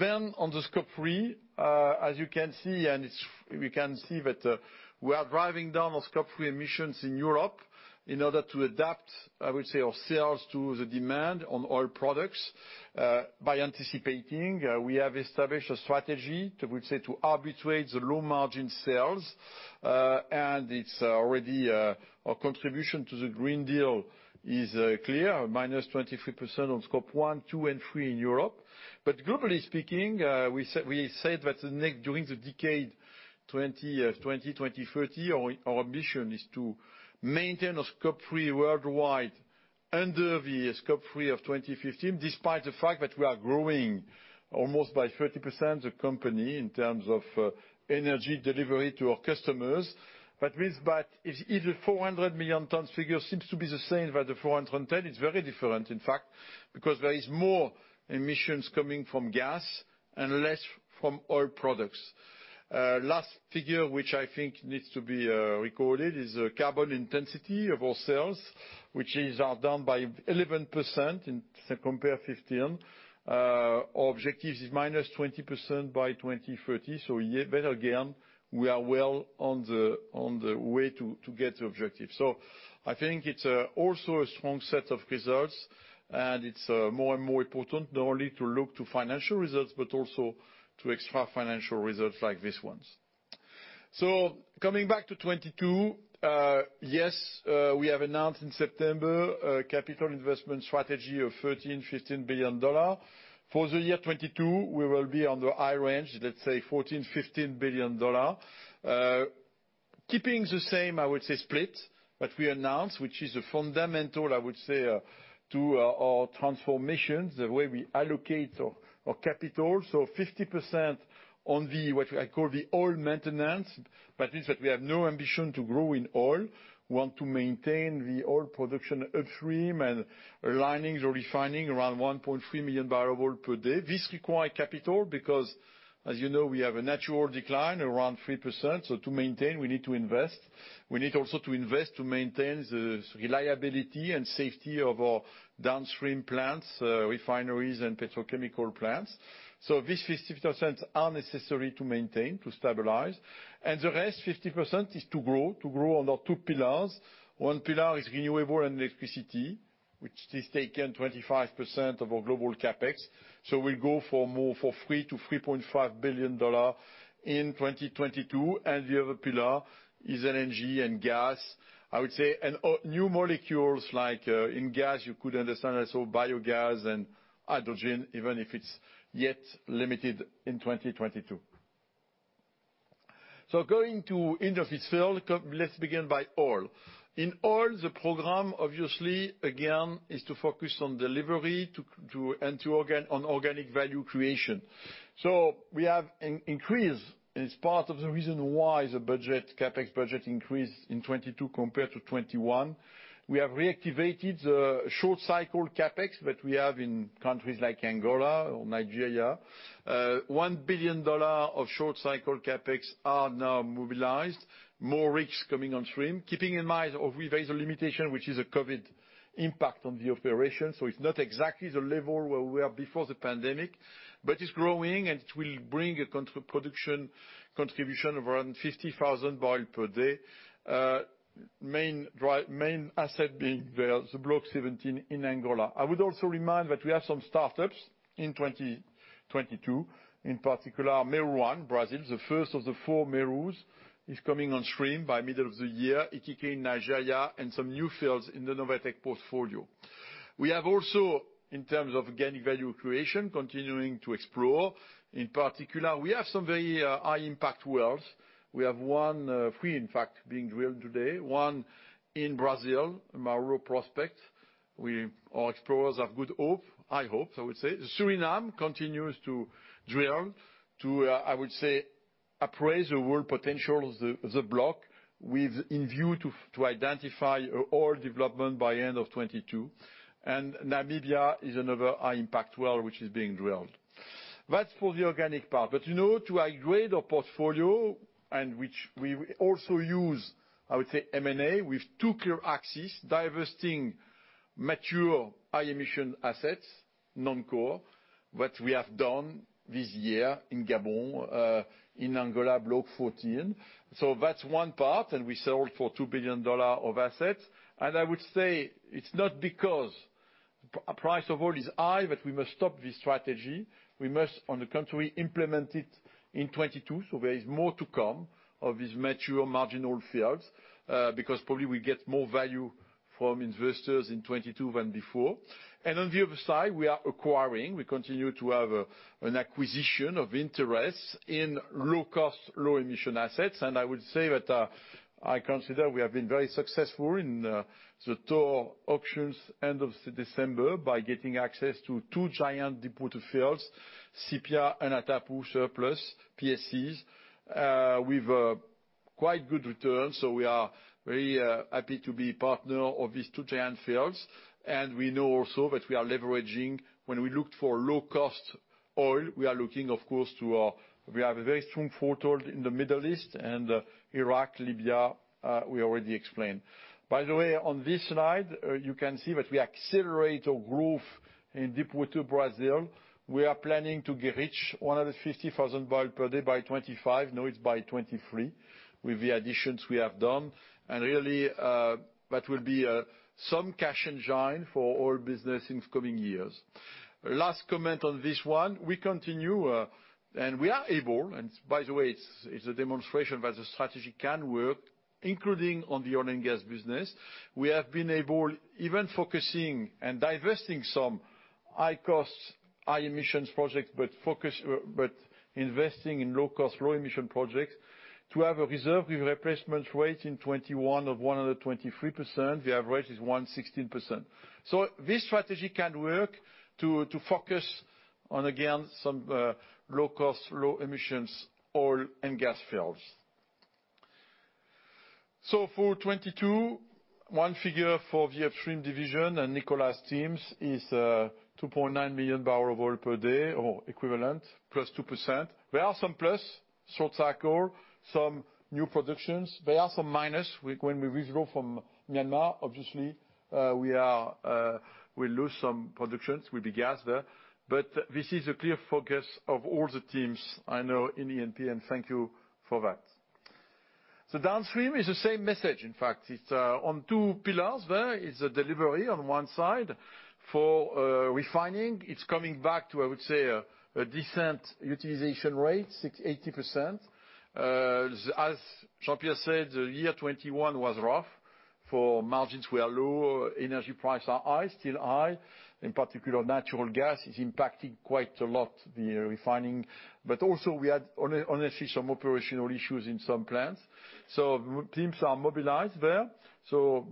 the Scope 3, as you can see, we can see that we are driving down on Scope 3 emissions in Europe. In order to adapt, I would say, our sales to the demand on oil products, by anticipating, we have established a strategy to, I would say, to arbitrate the low margin sales. Our contribution to the Green Deal is clear, -23% on Scope 1, 2, and 3 in Europe. Globally speaking, we said that during the decade 2020-2030, our mission is to maintain a Scope 3 worldwide under the Scope 3 of 2015, despite the fact that we are growing almost by 30% the company in terms of energy delivery to our customers. That means that if the 400 million tons figure seems to be the same, but the 410 is very different, in fact, because there is more emissions coming from gas and less from oil products. Last figure, which I think needs to be recorded is the carbon intensity of our sales, which is down by 11% compared to 2015. Our objectives is -20% by 2030. This year, but again, we are well on the way to get the objective. I think it's also a strong set of results, and it's more and more important not only to look to financial results, but also to extra financial results like these ones. Coming back to 2022, yes, we have announced in September a capital investment strategy of $13 billion-$15 billion. For the year 2022, we will be on the high range, let's say $14 billion-$15 billion. Keeping the same, I would say, split that we announced, which is a fundamental, I would say, to our transformation, the way we allocate our capital. Fifty percent on the, what I call the oil maintenance. That means that we have no ambition to grow in oil. We want to maintain the oil production upstream and LNGs or refining around 1.3 million barrels per day. This require capital because, as you know, we have a natural decline, around 3%. To maintain, we need to invest. We need also to invest to maintain the reliability and safety of our downstream plants, refineries and petrochemical plants. This 50% are necessary to maintain, to stabilize. The rest, 50%, is to grow, to grow on the two pillars. One pillar is renewable and electricity, which has taken 25% of our global CapEx. We'll go for more for $3-$3.5 billion in 2022. The other pillar is LNG and gas. I would say, and new molecules like, in gas, you could understand also biogas and hydrogen, even if it's yet limited in 2022. Going to end of this field, let's begin by oil. In oil, the program obviously again is to focus on delivery to on organic value creation. We have increased. It's part of the reason why the budget, CapEx budget increased in 2022 compared to 2021. We have reactivated the short cycle CapEx that we have in countries like Angola or Nigeria. $1 billion of short cycle CapEx are now mobilized, more rigs coming on stream, keeping in mind that there is a limitation, which is a COVID-19 impact on the operation. It's not exactly the level where we were before the pandemic, but it's growing, and it will bring a contribution of around 50,000 barrels per day. Main asset being there, the Block XVII in Angola. I would also remind that we have some startups in 2022, in particular, Mero 1, Brazil. The first of the four Meros is coming on stream by middle of the year, Ikike, Nigeria, and some new fields in the Novatek portfolio. We have also, in terms of organic value creation, continuing to explore. In particular, we have some very high-impact wells. We have three, in fact, being drilled today, one in Brazil, Marolo prospect. Our explorers have good hope. High hope, I would say. Suriname continues to drill to appraise the world potential of the block with in view to identify oil development by end of 2022. Namibia is another high-impact well which is being drilled. That's for the organic part. You know, to upgrade our portfolio and which we also use, I would say, M&A with two clear axes, divesting mature high-emission assets, non-core, that we have done this year in Gabon in Angola, Block XIV. So that's one part, and we sold for $2 billion of assets. I would say it's not because price of oil is high that we must stop this strategy. We must, on the contrary, implement it in 2022, so there is more to come of these mature marginal fields, because probably we get more value from investors in 2022 than before. On the other side, we are acquiring. We continue to have an acquisition of interest in low cost, low emission assets. I would say that I consider we have been very successful in the four auctions end of December by getting access to two giant deepwater fields, Sépia and Atapu surplus PSCs, with quite good returns. We are very happy to be partner of these two giant fields. We know also that we are leveraging when we looked for low-cost oil, we are looking of course to, we have a very strong foothold in the Middle East and Iraq, Libya, we already explained. By the way, on this slide, you can see that we accelerate our growth in deepwater Brazil. We are planning to reach 150,000 barrels per day by 2025, now it's by 2023 with the additions we have done, and really, that will be some cash engine for oil business in coming years. Last comment on this one, we continue, and we are able, and by the way, it's a demonstration that the strategy can work, including on the oil and gas business. We have been able even focusing and divesting some high-cost, high-emissions projects, but investing in low-cost, low-emission projects to have a reserve replacement rate in 2021 of 123%, the average is 116%. This strategy can work to focus on, again, some low-cost, low-emissions oil and gas fields. For 2022, one figure for the upstream division and Nicolas' teams is 2.9 million barrels of oil per day or equivalent, +2%. There are some plus short cycle, some new productions. There are some minus when we withdraw from Myanmar, obviously, we lose some productions with the gas there. This is a clear focus of all the teams I know in E&P, and thank you for that. Downstream is the same message, in fact. It's on two pillars there. It's a delivery on one side. For refining, it's coming back to, I would say, a decent utilization rate, 680%. As Jean-Pierre said, the year 2021 was rough, for margins were low, energy prices are high, still high. In particular, natural gas is impacting quite a lot the refining. Also we had honestly some operational issues in some plants. Teams are mobilized there,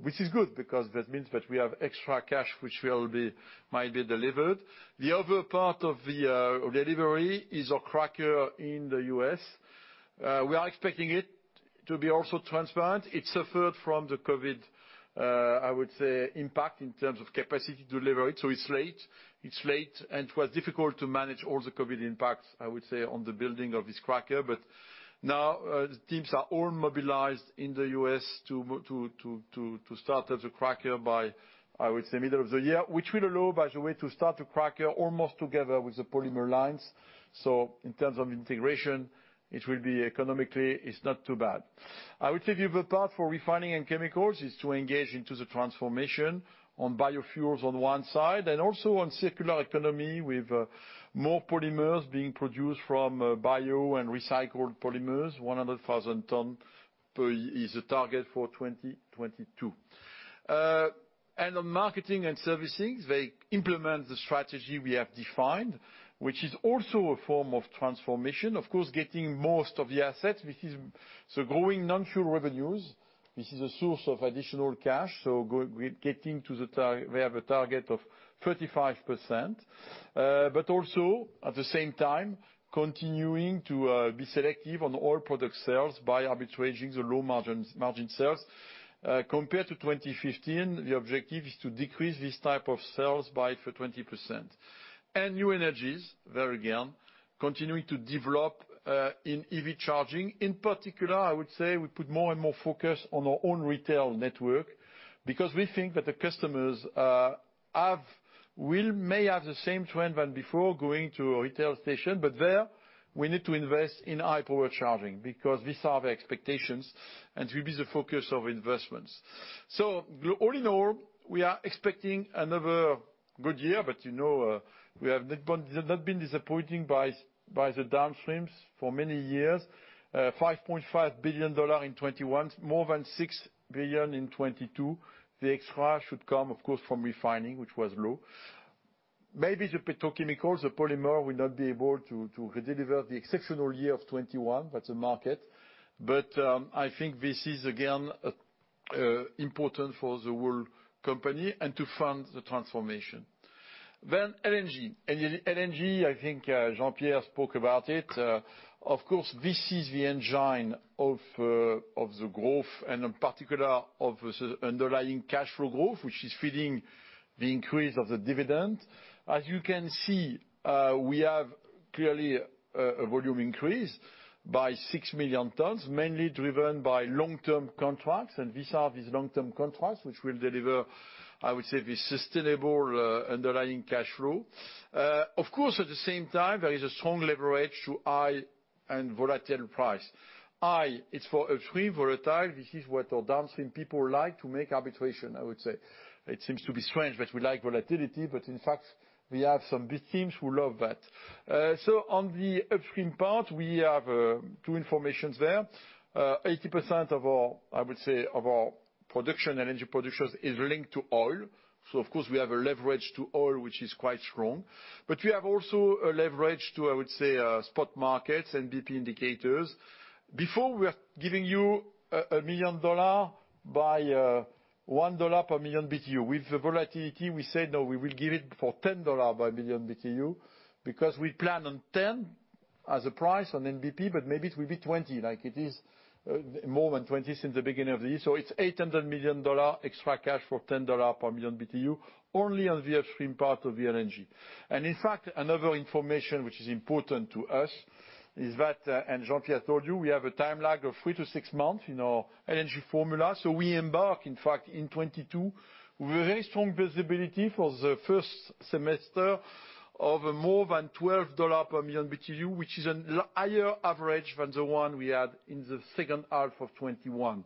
which is good because that means that we have extra cash which might be delivered. The other part of the delivery is our cracker in the U.S. We are expecting it to be also transparent. It suffered from the COVID-19, I would say impact in terms of capacity to deliver it, so it's late. It's late, and it was difficult to manage all the COVID impacts, I would say, on the building of this cracker. Now the teams are all mobilized in the U.S. to start up the cracker by, I would say, middle of the year, which will allow, by the way, to start the cracker almost together with the polymer lines. In terms of integration, it will be economically. It's not too bad. I would say the other part for refining and chemicals is to engage into the transformation on biofuels on one side, and also on circular economy with more polymers being produced from bio and recycled polymers. 100,000 tons per year is the target for 2022. On marketing and servicing, they implement the strategy we have defined, which is also a form of transformation. Of course, getting most of the assets, which is the growing non-fuel revenues. This is a source of additional cash. We have a target of 35%. But also at the same time, continuing to be selective on oil product sales by arbitraging the low margins, margin sales. Compared to 2015, the objective is to decrease this type of sales by 20%. New energies, there again, continuing to develop in EV charging. In particular, I would say we put more and more focus on our own retail network because we think that the customers may have the same trend than before going to a retail station. There, we need to invest in high-power charging because these are the expectations and will be the focus of investments. All in all, we are expecting another good year, but you know, we have not been disappointed by the downstreams for many years. $5.5 billion in 2021, more than $6 billion in 2022. The extra should come, of course, from refining, which was low. Maybe the petrochemicals or polymer will not be able to redeliver the exceptional year of 2021, that's the market. I think this is again important for the whole company and to fund the transformation. LNG. LNG, I think, Jean-Pierre spoke about it. Of course, this is the engine of the growth, and in particular of the underlying cash flow growth, which is feeding the increase of the dividend. As you can see, we have clearly a volume increase by 6 million tons, mainly driven by long-term contracts. These are these long-term contracts which will deliver, I would say, the sustainable underlying cash flow. Of course, at the same time, there is a strong leverage to high and volatile price. High is for upstream. Volatile, this is what our downstream people like to make arbitration, I would say. It seems to be strange that we like volatility, but in fact, we have some big teams who love that. On the upstream part, we have two information there. 80% of our, I would say, of our production, LNG production, is linked to oil. Of course, we have a leverage to oil, which is quite strong. We have also a leverage to, I would say, spot markets and BP indicators. Before, we are giving you a million dollars at $1 per million BTU. With the volatility, we say, no, we will give it for $10 per million BTU because we plan on $10 as a price on NBP, but maybe it will be 20 like it is, more than 20 since the beginning of the year. It's $800 million extra cash for $10 per million BTU only on the upstream part of the LNG. In fact, another information which is important to us is that, and Jean-Pierre told you, we have a time lag of 3-6 months in our LNG formula. We embark, in fact, in 2022 with a very strong visibility for the first semester of more than $12 per million BTU, which is a higher average than the one we had in the second half of 2021.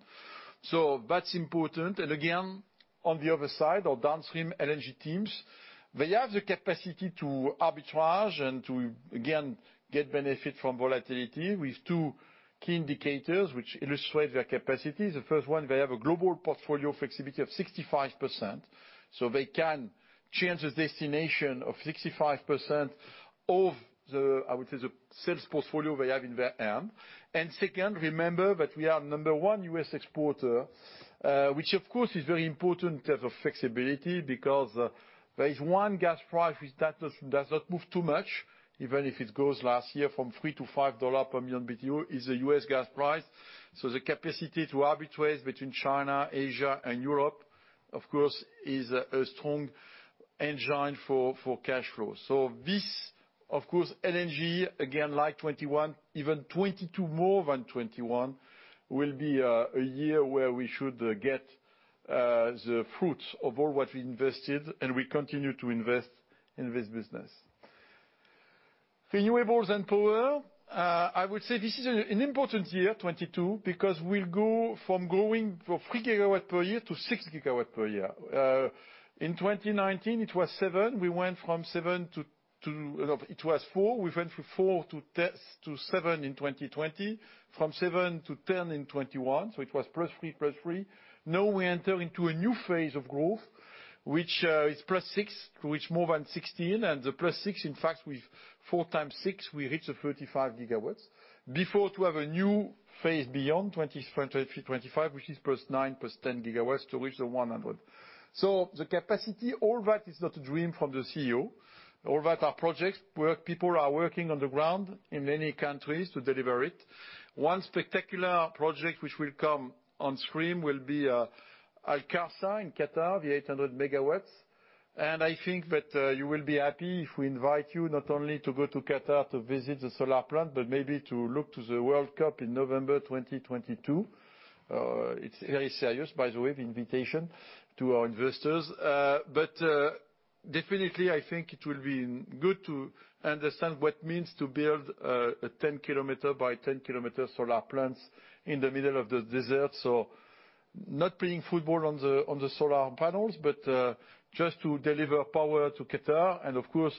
That's important. Again, on the other side, our downstream LNG teams, they have the capacity to arbitrage and to again get benefit from volatility with two key indicators which illustrate their capacity. The first one, they have a global portfolio flexibility of 65%, so they can change the destination of 65% of the, I would say, the sales portfolio they have in their arsenal. Second, remember that we are number one U.S. exporter, which of course is very important in terms of flexibility, because there is one gas price which does not move too much, even if it goes last year from $3 to $5 per million BTU, is the U.S. gas price. The capacity to arbitrate between China, Asia and Europe, of course, is a strong engine for cash flow. This of course, LNG again like 2021, even 2022 more than 2021, will be a year where we should get the fruits of all what we invested and we continue to invest in this business. Renewables and power. I would say this is an important year, 2022, because we'll go from growing from 3 GW per year to 6 GW per year. In 2019 it was 7 GW. We went from 4 GW-7 GW in 2020, from 4 GW-7 GW to 10 in 2021, so it was +3, +3. Now we enter into a new phase of growth, which is +6, to which more than 16 and the +6 in fact with four times six, we reach the 35 GW. Before to have a new phase beyond 2025, which is +9, +10 GW to reach the 100. So the capacity, all that is not a dream from the CEO. All that are projects where people are working on the ground in many countries to deliver it. One spectacular project which will come on stream will be Al Kharsaah in Qatar, 800 MW. I think that you will be happy if we invite you not only to go to Qatar to visit the solar plant, but maybe to look to the World Cup in November 2022. It's very serious, by the way, the invitation to our investors. Definitely, I think it will be good to understand what it means to build a 10-kilometer by 10-kilometer solar plants in the middle of the desert. Not playing football on the solar panels, but just to deliver power to Qatar. Of course,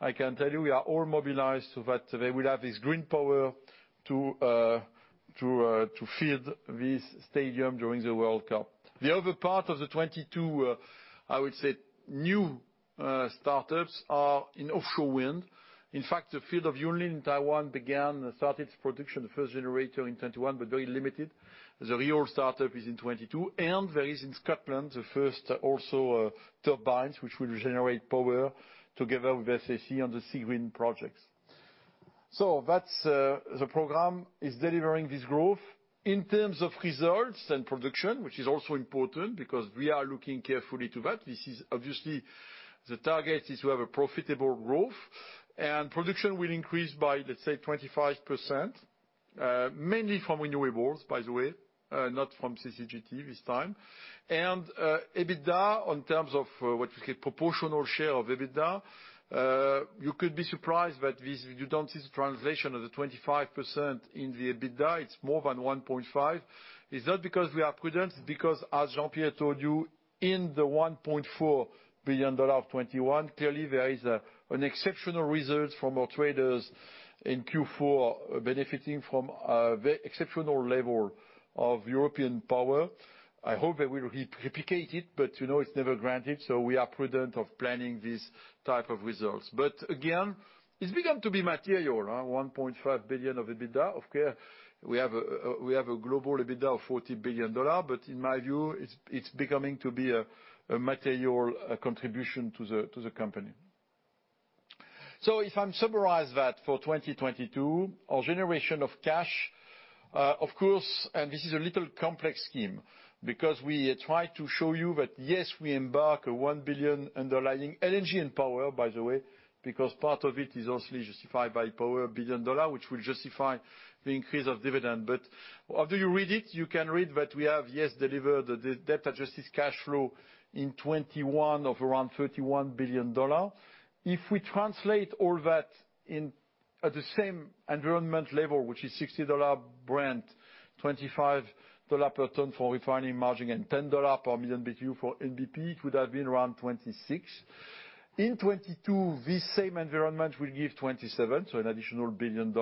I can tell you we are all mobilized so that they will have this green power to fill this stadium during the World Cup. The other part of the 2022, I would say new, startups are in offshore wind. In fact, the field of Yunlin in Taiwan started production, the first generator in 2021, but very limited. The real startup is in 2022. There is in Scotland the first also turbines, which will generate power together with SSE on the Seagreen projects. That's, the program is delivering this growth. In terms of results and production, which is also important because we are looking carefully to that. This is obviously. The target is to have a profitable growth. Production will increase by, let's say, 25%, mainly from renewables, by the way, not from CCGT this time. EBITDA in terms of what you say, proportional share of EBITDA, you could be surprised that this, you don't see the translation of the 25% in the EBITDA. It's more than 1.5. It's not because we are prudent. It's because, as Jean-Pierre told you, in the $1.4 billion of 2021, clearly there is an exceptional result from our traders in Q4, benefiting from exceptional level of European power. I hope they will replicate it, but you know, it's never granted. We are prudent of planning these type of results. But again, it's begun to be material, $1.5 billion of EBITDA. Of course, we have a global EBITDA of $40 billion. But in my view, it's becoming to be a material contribution to the company. If I summarize that for 2022, our generation of cash, of course, and this is a little complex scheme because we try to show you that, yes, we embed a $1 billion underlying LNG and power, by the way, because part of it is also justified by power, $1 billion, which will justify the increase of dividend. After you read it, you can read that we have, yes, delivered the debt-adjusted cash flow in 2021 of around $31 billion. If we translate all that in at the same environment level, which is $60 Brent, $25 per ton for refining margin and $10 per million BTU for NBP, it would have been around $26. In 2022, this same environment will give $27, so an additional $1 billion.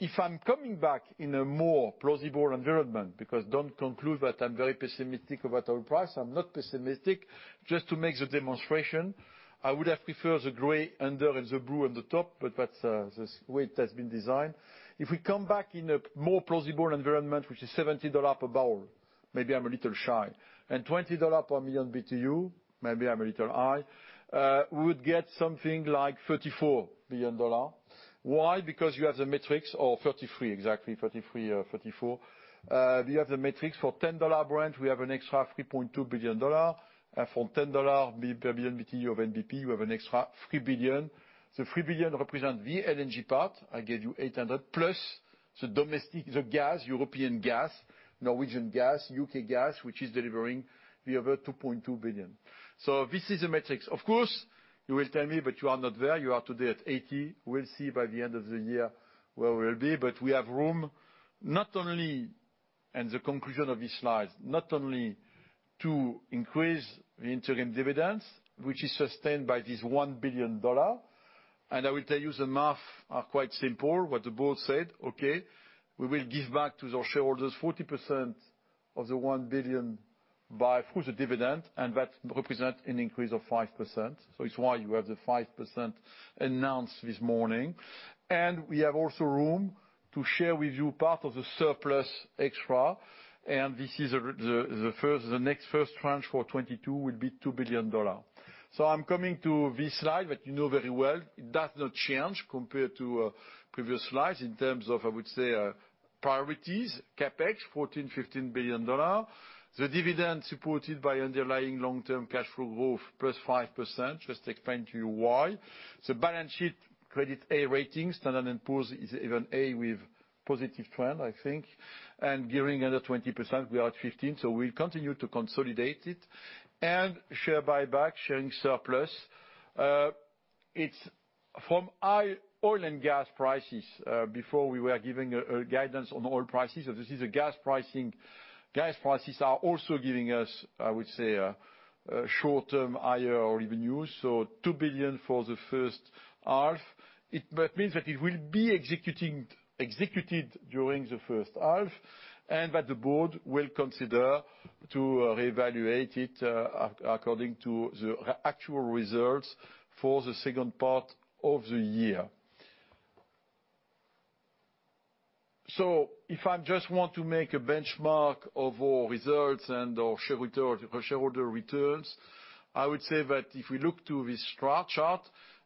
If I'm coming back in a more plausible environment, because don't conclude that I'm very pessimistic about our price. I'm not pessimistic. Just to make the demonstration, I would have preferred the gray under and the blue on the top, but that's the way it has been designed. If we come back in a more plausible environment, which is $70 per barrel, maybe I'm a little shy, and $20 per million BTU, maybe I'm a little high, we would get something like $34 billion. Why? Because you have the metrics of 33, exactly, 33 or 34. We have the metrics for $10 Brent, we have an extra $3.2 billion. For $10 per billion BTU of NBP, we have an extra $3 billion. The $3 billion represent the LNG part, I gave you $800 million, plus the domestic, the gas, European gas, Norwegian gas, UK gas, which is delivering the other $2.2 billion. This is the metrics. Of course, you will tell me that you are not there. You are today at 80. We'll see by the end of the year where we'll be, but we have room. Not only, and the conclusion of this slide, not only to increase the interim dividends, which is sustained by this $1 billion. I will tell you the math are quite simple, what the board said, okay, we will give back to the shareholders 40% of the $1 billion by, through the dividend, and that represent an increase of 5%. It's why you have the 5% announced this morning. We have also room to share with you part of the surplus extra, and this is the first tranche for 2022 will be $2 billion. I'm coming to this slide that you know very well. It does not change compared to previous slides in terms of, I would say, priorities. CapEx $14 billion-$15 billion. The dividend supported by underlying long-term cash flow growth +5%, just explain to you why. The balance sheet credit A rating, Standard & Poor's is even A with positive trend, I think. Gearing under 20%, we are at 15%, so we'll continue to consolidate it. Share buyback, sharing surplus. It's from high oil and gas prices, before we were giving a guidance on oil prices. This is a gas pricing. Gas prices are also giving us, I would say, short-term higher revenues. 2 billion for the first half. That means that it will be executed during the first half, and that the board will consider to reevaluate it according to the actual results for the second part of the year. If I just want to make a benchmark of our results and our shareholder returns, I would say that if we look to this chart,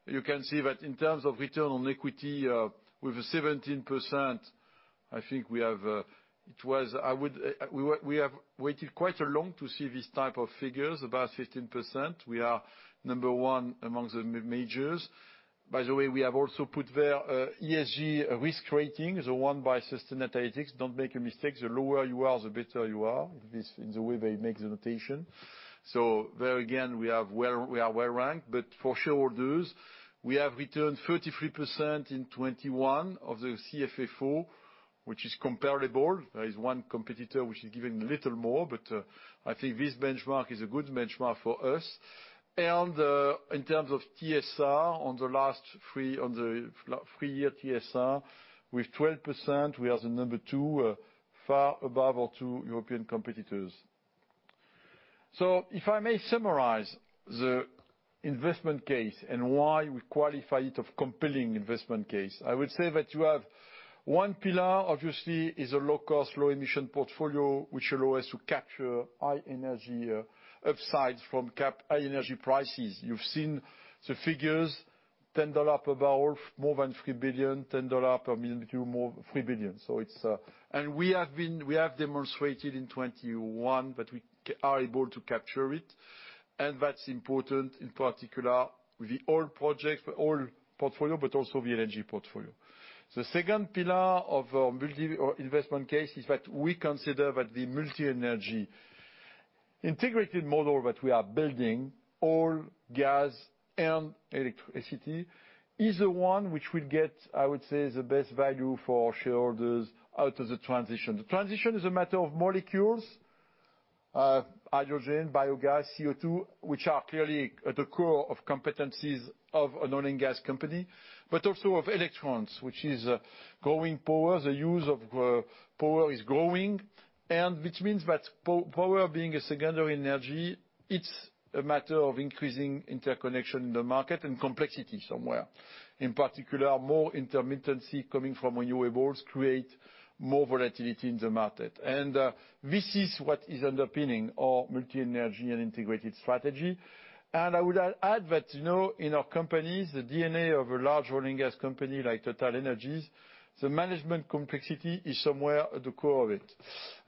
you can see that in terms of return on equity, with 17%, I think we have waited quite a long to see these type of figures, about 15%. We are number one among the majors. By the way, we have also put there, ESG risk rating, the one by Sustainalytics. Don't make a mistake. The lower you are, the better you are. This is the way they make the notation. There again, we have, well, we are well ranked. For shareholders, we have returned 33% in 2021 of the CFFO, which is comparable. There is one competitor which is giving a little more, but I think this benchmark is a good benchmark for us. In terms of TSR on the last three, on the three-year TSR, with 12%, we are the number two, far above our two European competitors. If I may summarize the investment case and why we qualify it of compelling investment case, I would say that you have one pillar, obviously, is a low-cost, low-emission portfolio, which allow us to capture high energy upsides from high energy prices. You've seen the figures, $10 per barrel, more than $3 billion, $10 per MMBtu, more, $3 billion. It's, we have demonstrated in 2021 that we are able to capture it. That's important in particular with the oil projects, oil portfolio, but also the LNG portfolio. The second pillar of our investment case is that we consider that the multi-energy integrated model that we are building, oil, gas, and electricity, is the one which will get, I would say, the best value for our shareholders out of the transition. The transition is a matter of molecules, hydrogen, biogas, CO2, which are clearly at the core competencies of an oil and gas company, but also of electrons, which is growing power. The use of grid power is growing, which means that power being a secondary energy, it's a matter of increasing interconnection in the market and complexity somewhere. In particular, more intermittency coming from renewables create more volatility in the market. This is what is underpinning our multi-energy and integrated strategy. I would add that, you know, in our companies, the DNA of a large oil and gas company like TotalEnergies, the management complexity is somewhere at the core of it.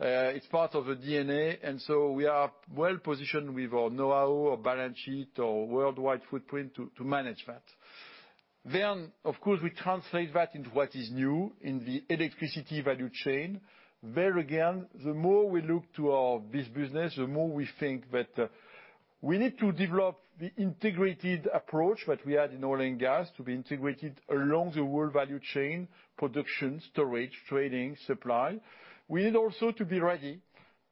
It's part of the DNA, and so we are well positioned with our know-how, our balance sheet, our worldwide footprint to manage that. Of course, we translate that into what is new in the electricity value chain. There again, the more we look to our this business, the more we think that we need to develop the integrated approach that we had in oil and gas to be integrated along the world value chain, production, storage, trading, supply. We need also to be ready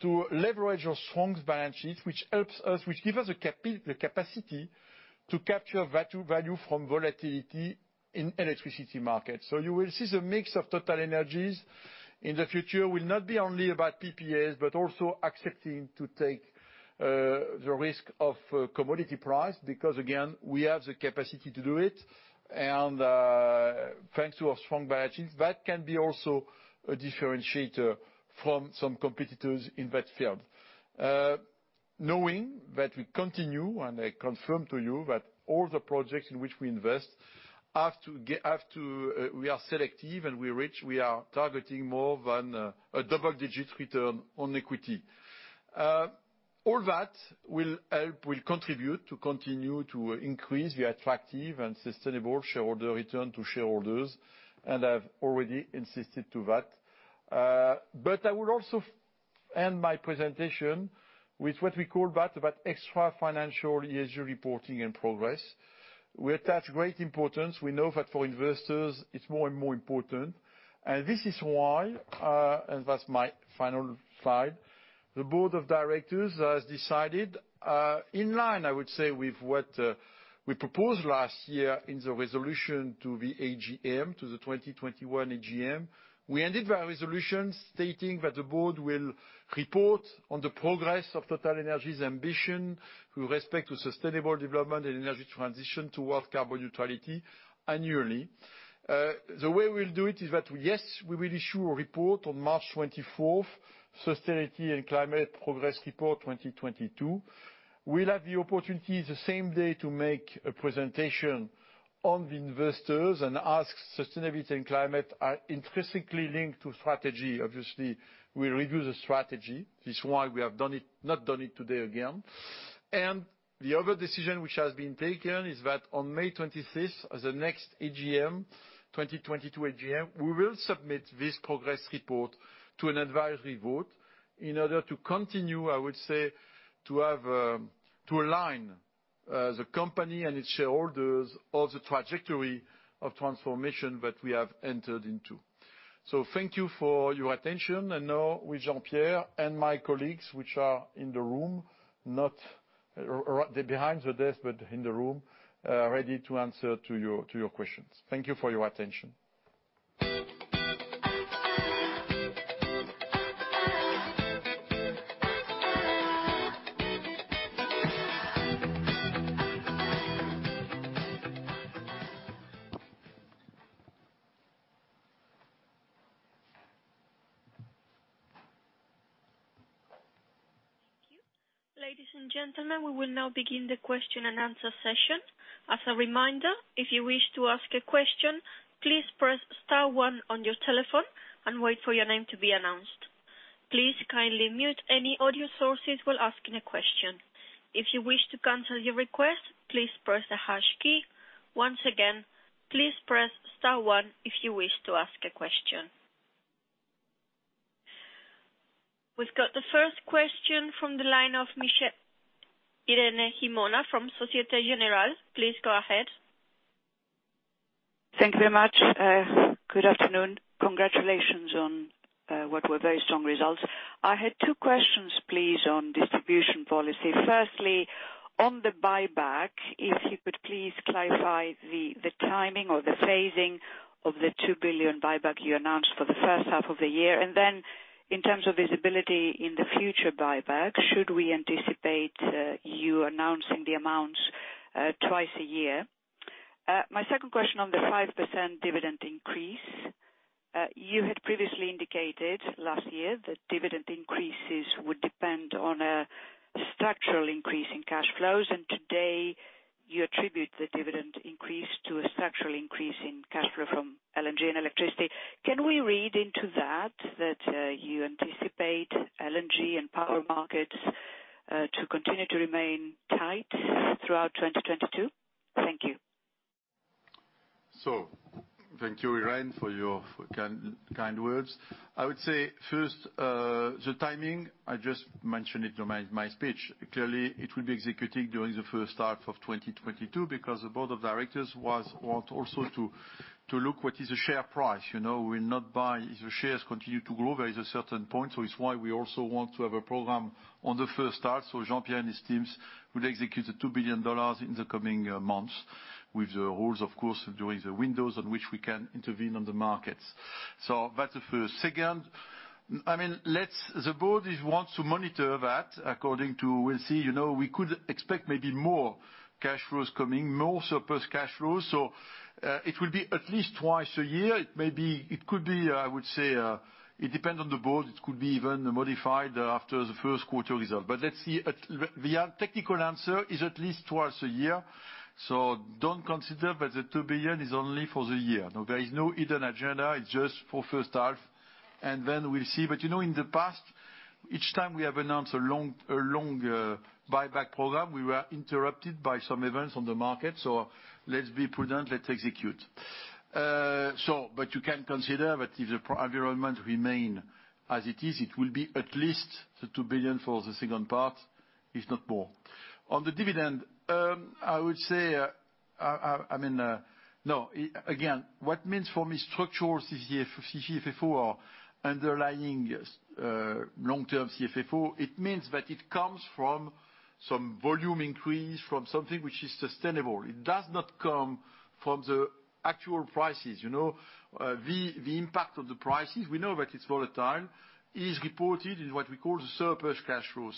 to leverage our strong balance sheet, which helps us, which give us the capacity to capture value from volatility in electricity markets. You will see the mix of TotalEnergies in the future will not be only about PPAs, but also accepting to take the risk of commodity price because, again, we have the capacity to do it. Thanks to our strong balance sheets, that can be also a differentiator from some competitors in that field. Knowing that we continue, I confirm to you that all the projects in which we invest have to. We are selective and we are rich. We are targeting more than a double-digit return on equity. All that will help, will contribute to continue to increase the attractive and sustainable shareholder return to shareholders, and I've already insisted to that. But I will also end my presentation with what we call that about extra-financial ESG reporting and progress. We attach great importance. We know that for investors it's more and more important. This is why, and that's my final slide, the board of directors has decided, in line, I would say, with what we proposed last year in the resolution to the AGM, to the 2021 AGM. We ended our resolution stating that the board will report on the progress of TotalEnergies' ambition with respect to sustainable development and energy transition towards carbon neutrality annually. The way we'll do it is that, yes, we will issue a report on March 24th, Sustainability and Climate Progress Report 2022. We'll have the opportunity the same day to make a presentation to investors and analysts. Sustainability and climate are intrinsically linked to strategy. Obviously, we'll review the strategy. This is why we have done it, not done it today again. The other decision which has been taken is that on May 25, as the next AGM, 2022 AGM, we will submit this progress report to an advisory vote in order to continue, I would say, to have, to align the company and its shareholders on the trajectory of transformation that we have entered into. Thank you for your attention. Now with Jean-Pierre and my colleagues, which are in the room, not they're behind the desk, but in the room, ready to answer to your questions. Thank you for your attention. Thank you. Ladies and gentlemen, we will now begin the question-and-answer session. As a reminder, if you wish to ask a question, please press star one on your telephone and wait for your name to be announced. Please kindly mute any audio sources while asking a question. If you wish to cancel your request, please press the hash key. Once again, please press star one if you wish to ask a question. We've got the first question from the line of Irene Himona from Société Générale. Please go ahead. Thank you very much. Good afternoon. Congratulations on what were very strong results. I had two questions, please, on distribution policy. Firstly, on the buyback, if you could please clarify the timing or the phasing of the 2 billion buyback you announced for the first half of the year. Then in terms of visibility in the future buyback, should we anticipate you announcing the amounts twice a year? My second question on the 5% dividend increase. You had previously indicated last year that dividend increases would depend on a structural increase in cash flows, and today you attribute the dividend increase to a structural increase in cash flow from LNG and electricity. Can we read into that you anticipate LNG and power markets to continue to remain tight throughout 2022? Thank you. Thank you, Irene, for your kind words. I would say first, the timing, I just mentioned it in my speech. Clearly, it will be executed during the first half of 2022 because the board of directors wanted also to look what is the share price. You know, we'll not buy if the shares continue to grow. There is a certain point. It's why we also want to have a program on the first half. Jean-Pierre and his teams will execute the $2 billion in the coming months with the rules, of course, during the windows on which we can intervene on the markets. That's the first. Second, I mean, the board wanted to monitor that according to we'll see. You know, we could expect maybe more cash flows coming, more surplus cash flows. It will be at least twice a year. It may be, it could be, I would say, it depends on the board. It could be even modified after the first quarter result. Let's see. The technical answer is at least twice a year. Don't consider that the 2 billion is only for the year. No, there is no hidden agenda. It's just for first half, and then we'll see. You know, in the past, each time we have announced a long buyback program, we were interrupted by some events on the market. Let's be prudent. Let's execute. You can consider that if the environment remain as it is, it will be at least the 2 billion for the second part, if not more. On the dividend, I would say, I mean, no. What it means for me structural CFFO are underlying, long-term CFFO. It means that it comes from some volume increase from something which is sustainable. It does not come from the actual prices, you know. The impact of the prices, we know that it's volatile. It is reported in what we call the surplus cash flow.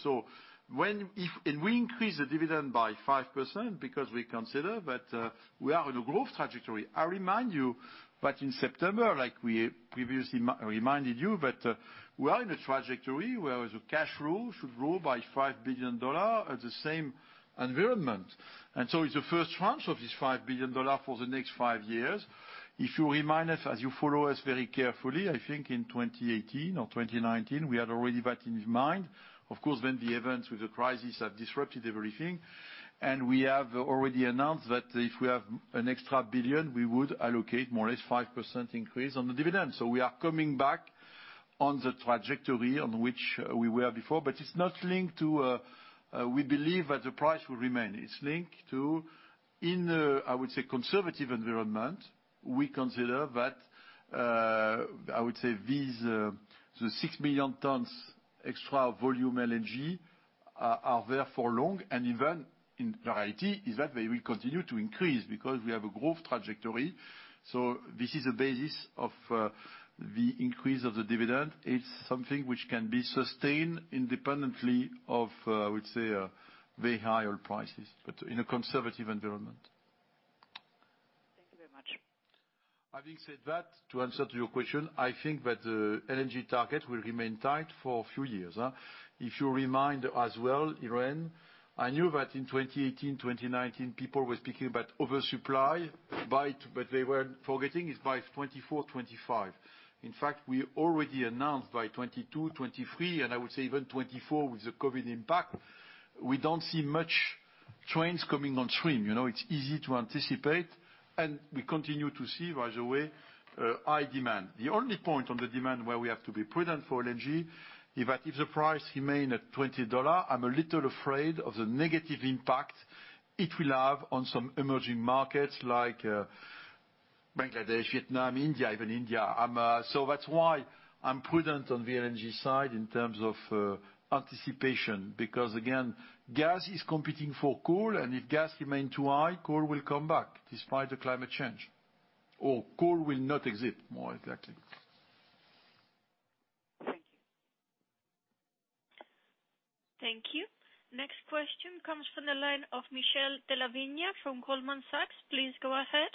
We increase the dividend by 5% because we consider that we are on a growth trajectory. I remind you that in September, like we previously reminded you, that we are in a trajectory where the cash flow should grow by $5 billion at the same environment. It's the first tranche of this $5 billion for the next five years. If you remind us, as you follow us very carefully, I think in 2018 or 2019 we had already that in mind. Of course, then the events with the crisis have disrupted everything. We have already announced that if we have an extra 1 billion, we would allocate more or less 5% increase on the dividend. We are coming back on the trajectory on which we were before, but it's not linked to we believe that the price will remain. It's linked to in a, I would say, conservative environment, we consider that I would say the 6 million tons extra volume LNG are there for long, and even in variety is that they will continue to increase because we have a growth trajectory. This is the basis of the increase of the dividend. It's something which can be sustained independently of, I would say, very high oil prices, but in a conservative environment. Thank you very much. Having said that, in answer to your question, I think that the LNG target will remain tight for a few years. If you remember as well, Irene, I knew that in 2018, 2019 people were speaking about oversupply by 2024, 2025. What they were forgetting is by 2024, 2025. In fact, we already announced by 2022, 2023 and I would say even 2024 with the COVID impact, we don't see much trains coming on stream. You know, it's easy to anticipate, and we continue to see, by the way, high demand. The only point on the demand where we have to be prudent for LNG is that if the price remains at $20, I'm a little afraid of the negative impact it will have on some emerging markets like, Bangladesh, Vietnam, India, even India. I'm That's why I'm prudent on the LNG side in terms of anticipation because again, gas is competing for coal, and if gas remain too high, coal will come back despite the climate change, or coal will not exit, more exactly. Thank you. Thank you. Next question comes from the line of Michele Della Vigna from Goldman Sachs. Please go ahead.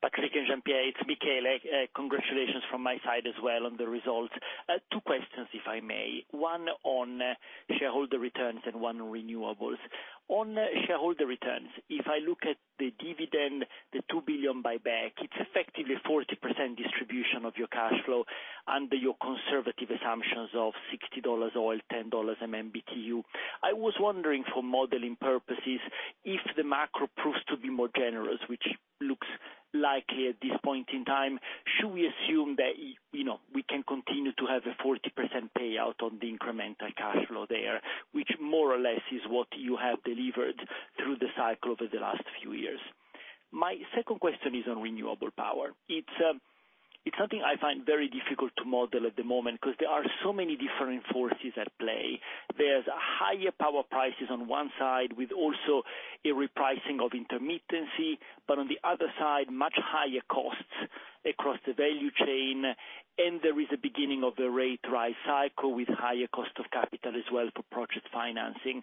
Patrick Pouyanné and Jean-Pierre Sbraire, it's Michele Della Vigna. Congratulations from my side as well on the results. Two questions if I may. One on shareholder returns and one on renewables. On shareholder returns, if I look at the dividend, the $2 billion buyback, it's effectively 40% distribution of your cash flow under your conservative assumptions of $60 oil, $10/MMBtu. I was wondering for modeling purposes, if the macro proves to be more generous, which looks likely at this point in time, should we assume that you know, we can continue to have a 40% payout on the incremental cash flow there, which more or less is what you have delivered through the cycle over the last few years. My second question is on renewable power. It's something I find very difficult to model at the moment because there are so many different forces at play. There's higher power prices on one side with also a repricing of intermittency. On the other side, much higher costs across the value chain, and there is a beginning of a rate rise cycle with higher cost of capital as well for project financing.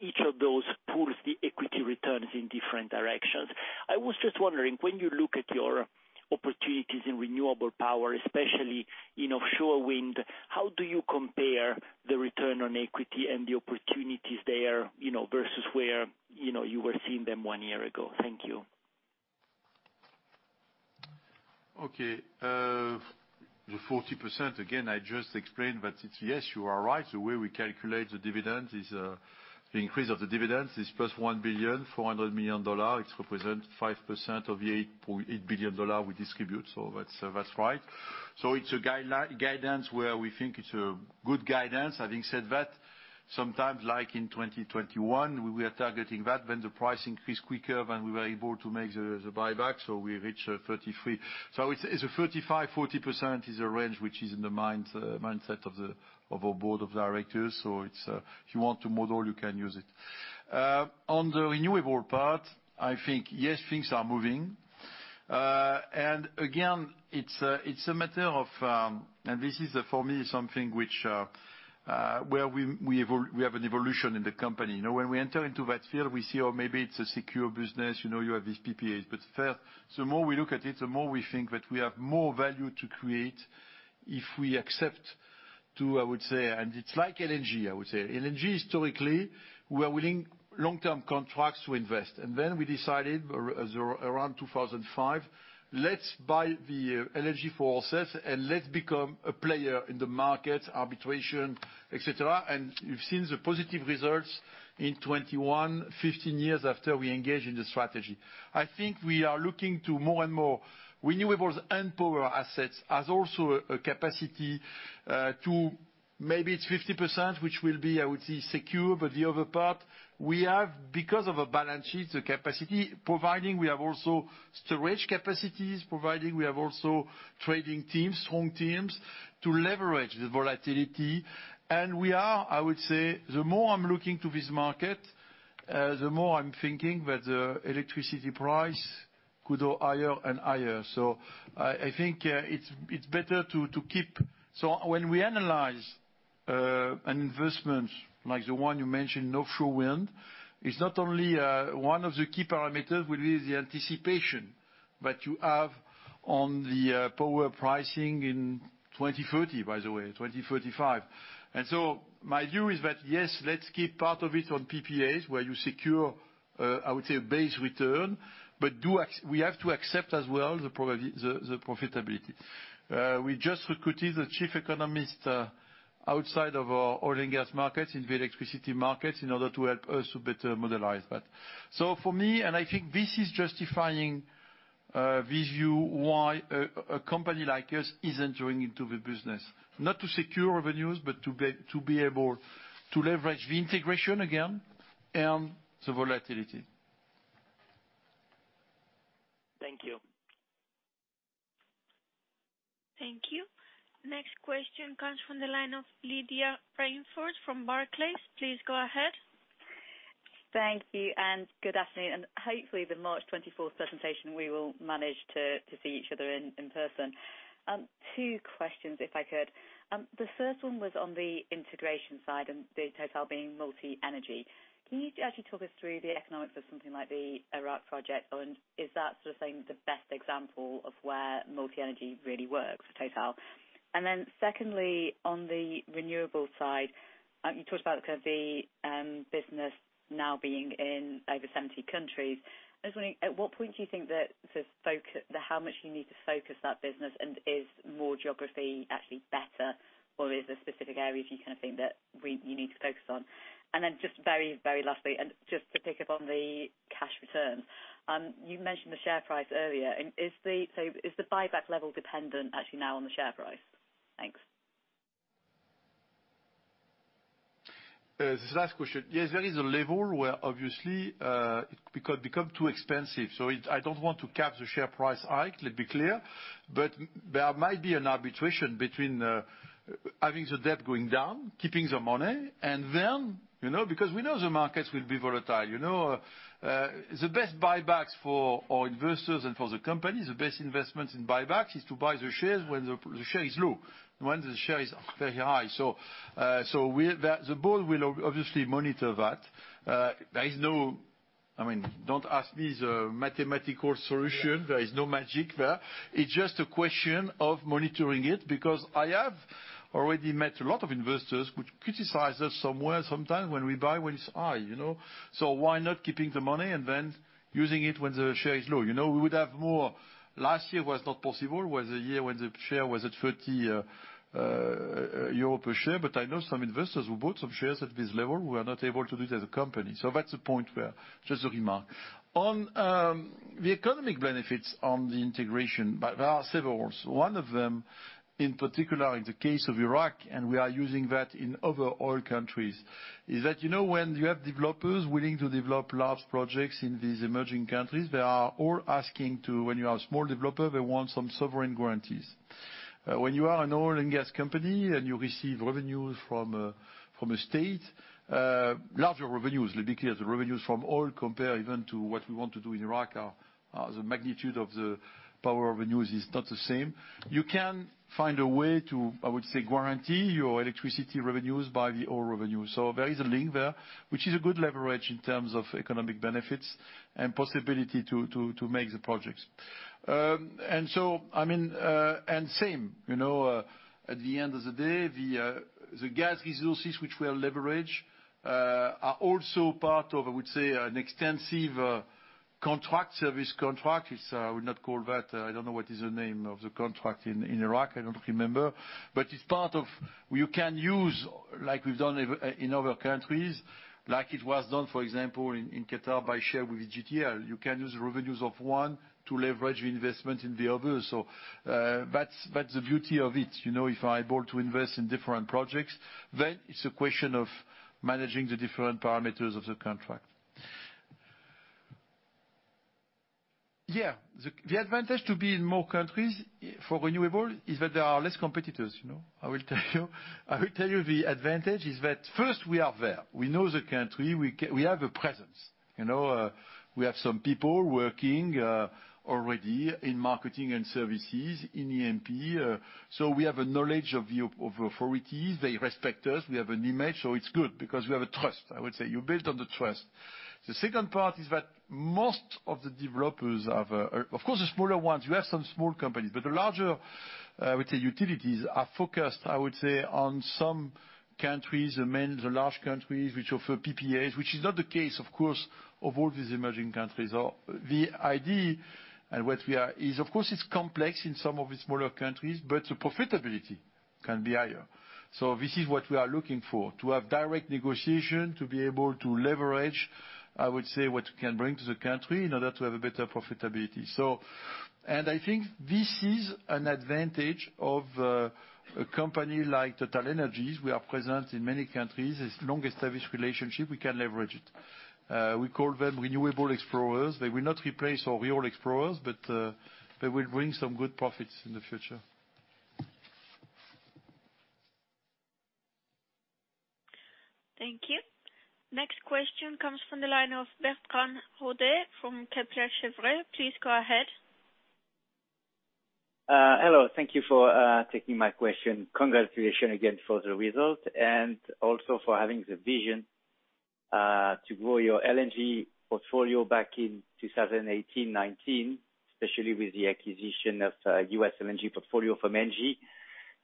Each of those pulls the equity returns in different directions. I was just wondering, when you look at your opportunities in renewable power, especially in offshore wind, how do you compare the return on equity and the opportunities there, you know, versus where, you know, you were seeing them one year ago? Thank you. Okay. The 40%, again, I just explained that it's. Yes, you are right. The way we calculate the dividend is, the increase of the dividend is plus $1.4 billion. It represent 5% of the $8.8 billion we distribute. That's right. It's a guideline guidance where we think it's a good guidance. Having said that, sometimes like in 2021, we were targeting that when the price increased quicker than we were able to make the buyback, so we reached 33. It's a 35%-40% range which is in the mindset of our board of directors. It's, if you want to model, you can use it. On the renewable part, I think, yes, things are moving. It's a matter of. This is, for me, something which where we have an evolution in the company. You know, when we enter into that field, we see, maybe it's a secure business, you know, you have these PPAs. But fairly, the more we look at it, the more we think that we have more value to create if we accept to, I would say, and it's like LNG, I would say. LNG historically, we are willing long-term contracts to invest, and then we decided around 2005, let's buy the LNG for ourselves and let's become a player in the market, arbitrage, et cetera. You've seen the positive results in 2021, fifteen years after we engage in the strategy. I think we are looking to more and more renewables and power assets as also a capacity to maybe it's 50% which will be, I would say, secure, but the other part we have because of a balance sheet, the capacity providing we have also storage capacities, providing we have also trading teams, strong teams, to leverage the volatility. We are, I would say, the more I'm looking to this market, the more I'm thinking that the electricity price could go higher and higher. I think it's better to keep. When we analyze an investment like the one you mentioned, offshore wind, it's not only one of the key parameters will be the anticipation that you have on the power pricing in 2030, by the way, 2045. My view is that, yes, let's keep part of it on PPAs, where you secure, I would say, a base return, but we have to accept as well the profitability. We just recruited a chief economist outside of our oil and gas markets in the electricity markets in order to help us to better model that. For me, and I think this is justifying this view why a company like us is entering into the business. Not to secure revenues, but to be able to leverage the integration again and the volatility. Thank you. Thank you. Next question comes from the line of Lydia Rainforth from Barclays. Please go ahead. Thank you and good afternoon. Hopefully, the March twenty-fourth presentation, we will manage to see each other in person. Two questions, if I could. The first one was on the integration side and the Total being multi-energy. Can you actually talk us through the economics of something like the Iraq project, and is that sort of thing the best example of where multi-energy really works for Total? Secondly, on the renewables side, you talked about the business now being in over 70 countries. I was wondering, at what point do you think that how much you need to focus that business, and is more geography actually better, or is there specific areas you kind of think that you need to focus on? Then just very, very lastly, and just to pick up on the cash return, you mentioned the share price earlier. Is the buyback level dependent actually now on the share price? Thanks. The last question. Yes, there is a level where obviously it could become too expensive, so it, I don't want to cap the share price hike. Let's be clear. There might be an arbitration between having the debt going down, keeping the money, and then, you know, because we know the markets will be volatile. You know, the best buybacks for our investors and for the company, the best investments in buybacks is to buy the shares when the share is low, when the share is very high. The board will obviously monitor that. There is no. I mean, don't ask me the mathematical solution. There is no magic there. It's just a question of monitoring it because I have already met a lot of investors which criticize us somewhere, sometime when we buy, when it's high, you know. Why not keeping the money and then using it when the share is low? You know, we would have more. Last year was not possible, was the year when the share was at 30 euro per share, but I know some investors who bought some shares at this level were not able to do it as a company. That's the point where just a remark. On the economic benefits on the integration, but there are several. One of them, in particular, in the case of Iraq, and we are using that in other oil countries, is that, you know, when you have developers willing to develop large projects in these emerging countries, they are all asking. When you are a small developer, they want some sovereign guarantees. When you are an oil and gas company and you receive revenues from a state, larger revenues, let's be clear, the revenues from oil compare even to what we want to do in Iraq are the magnitude of the power revenues is not the same. You can find a way to, I would say, guarantee your electricity revenues by the oil revenues. There is a link there, which is a good leverage in terms of economic benefits and possibility to make the projects. I mean, and same, you know, at the end of the day, the gas resources which we leverage are also part of, I would say, an extensive contract, service contract. It's, I would not call that, I don't know what is the name of the contract in Iraq. I don't remember. It's part of you can use, like we've done in other countries, like it was done, for example, in Qatar by Shell with GTL. You can use the revenues of one to leverage investment in the other. That's the beauty of it, you know. If I'm able to invest in different projects, then it's a question of managing the different parameters of the contract. Yeah. The advantage to be in more countries for renewable is that there are less competitors, you know. I will tell you the advantage is that first we are there. We know the country. We have a presence. You know, we have some people working already in marketing and services in EMEA. So we have a knowledge of the authorities. They respect us. We have an image, so it's good because we have a trust, I would say. You build on the trust. The second part is that most of the developers have. Of course, the smaller ones, you have some small companies, but the larger, I would say, utilities are focused, I would say, on some countries, the main, the large countries which offer PPAs, which is not the case, of course, of all these emerging countries. Or the idea and what we are is, of course, it's complex in some of the smaller countries, but the profitability can be higher. This is what we are looking for, to have direct negotiation, to be able to leverage, I would say, what we can bring to the country in order to have a better profitability. I think this is an advantage of a company like TotalEnergies. We are present in many countries. It's long-established relationship. We can leverage it. We call them renewable explorers. They will not replace our real explorers, but they will bring some good profits in the future. Thank you. Next question comes from the line of Bertrand Hodée from Kepler Cheuvreux. Please go ahead. Hello. Thank you for taking my question. Congratulations again for the result and also for having the vision to grow your LNG portfolio back in 2018, 2019, especially with the acquisition of U.S. LNG portfolio from Engie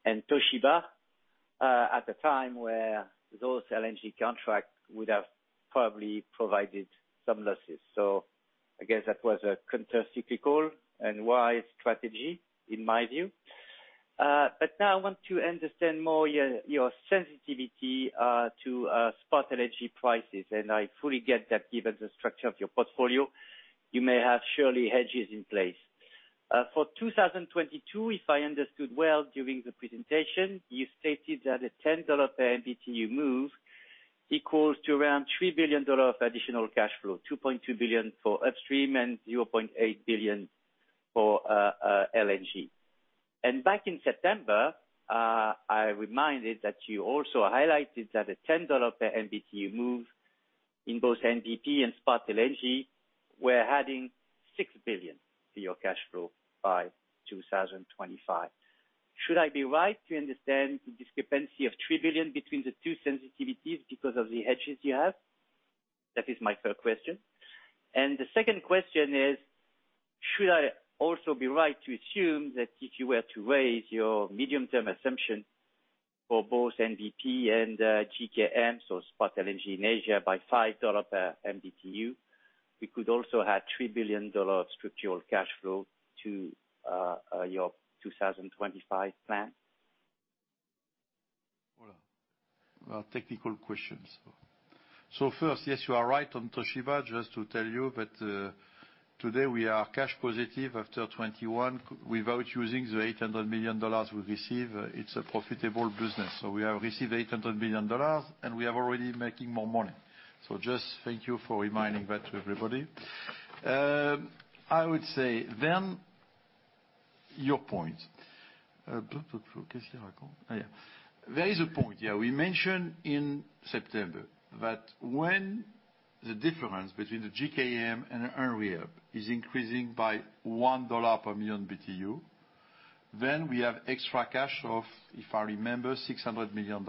and Toshiba at the time where those LNG contract would have probably provided some losses. I guess that was a countercyclical and wise strategy in my view. Now I want to understand more your sensitivity to spot LNG prices. I fully get that given the structure of your portfolio, you may have surely hedges in place. For 2022, if I understood well during the presentation, you stated that a $10 per MMBtu move equals to around $3 billion of additional cash flow, $2.2 billion for upstream and $0.8 billion for LNG. Back in September, I reminded that you also highlighted that a $10 per MMBtu move in both MVP and spot LNG were adding $6 billion to your cash flow by 2025. Should I be right to understand the discrepancy of $3 billion between the two sensitivities because of the hedges you have? That is my third question. The second question is, should I also be right to assume that if you were to raise your medium-term assumption for both MVP and JKM, so spot LNG in Asia by $5 per MMBtu, we could also add $3 billion structural cash flow to your 2025 plan? Well, technical questions. First, yes, you are right on Toshiba, just to tell you that, today we are cash positive after 2021 without using the $800 million we receive. It's a profitable business. We have received $800 million, and we are already making more money. Just thank you for reminding that to everybody. I would say then your point. There is a point, yeah. We mentioned in September that when the difference between the JKM and NBP is increasing by $1 per million BTU, then we have extra cash of, if I remember, $600 million.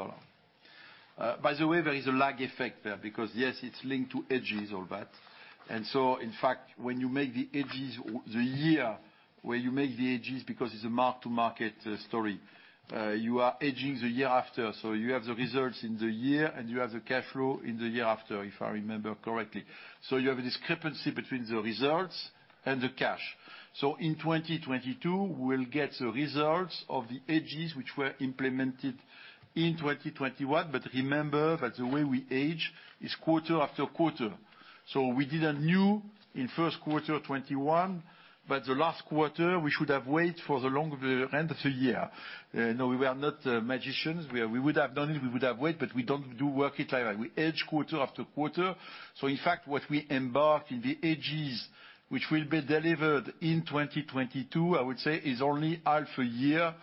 By the way, there is a lag effect there because, yes, it's linked to hedges, all that. In fact, when you make the hedges, the year where you make the hedges because it's a mark-to-market story, you are hedging the year after. You have the results in the year, and you have the cash flow in the year after, if I remember correctly. You have a discrepancy between the results and the cash. In 2022, we'll get the results of the hedges which were implemented in 2021. Remember that the way we hedge is quarter after quarter. We did a new in first quarter of 2021, but the last quarter we should have waited for the long run of the year. No, we are not magicians. We would have done it, we would have waited, but we don't do work like that. We hedge quarter after quarter. In fact, what we embark in the hedges which will be delivered in 2022, I would say, is only half a year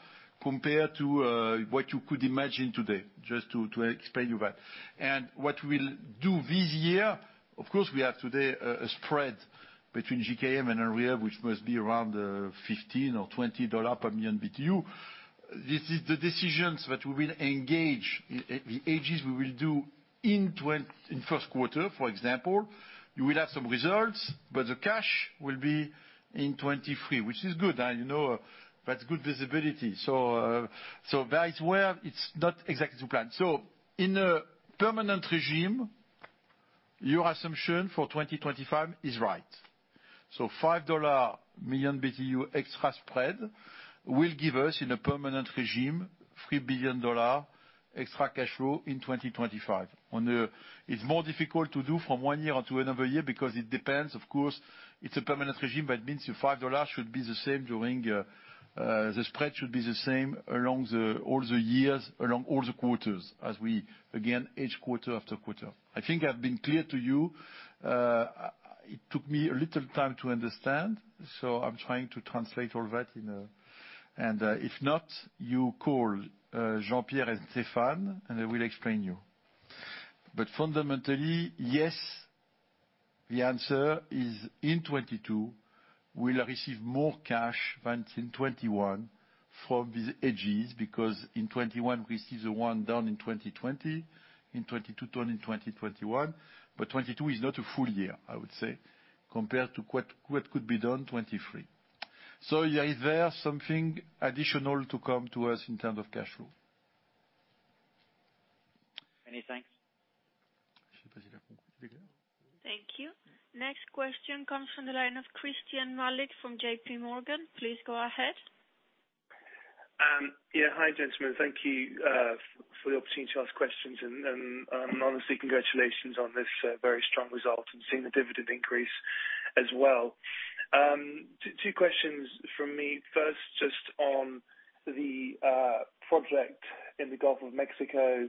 compared to what you could imagine today, just to explain you that. What we'll do this year, of course, we have today a spread between JKM and NBP which must be around $15-$20 per million BTU. This is the decisions that we will engage, the hedges we will do in first quarter, for example. You will have some results, but the cash will be in 2023, which is good. You know, that's good visibility. That is where it's not exactly the plan. In a permanent regime, your assumption for 2025 is right. $5 million BTU extra spread will give us, in a permanent regime, $3 billion extra cash flow in 2025. It's more difficult to do from one year to another year because it depends. Of course, it's a permanent regime, but it means your $5 should be the same during. The spread should be the same along all the years, along all the quarters as we again hedge quarter after quarter. I think I've been clear to you. It took me a little time to understand, so I'm trying to translate all that. If not, you call Jean-Pierre and Stefan, and they will explain to you. Fundamentally, yes, the answer is in 2022, we'll receive more cash than in 2021 from these hedges, because in 2021 we see the downturn in 2020, in 2022, 2020-2021, but 2022 is not a full year, I would say, compared to what could be done 2023. Yeah, is there something additional to come to us in terms of cash flow? Many thanks. Thank you. Next question comes from the line of Christyan Malek from JPMorgan. Please go ahead. Yeah. Hi, gentlemen. Thank you for the opportunity to ask questions and, honestly, congratulations on this very strong result and seeing the dividend increase as well. Two questions from me. First, just on the project in the Gulf of Mexico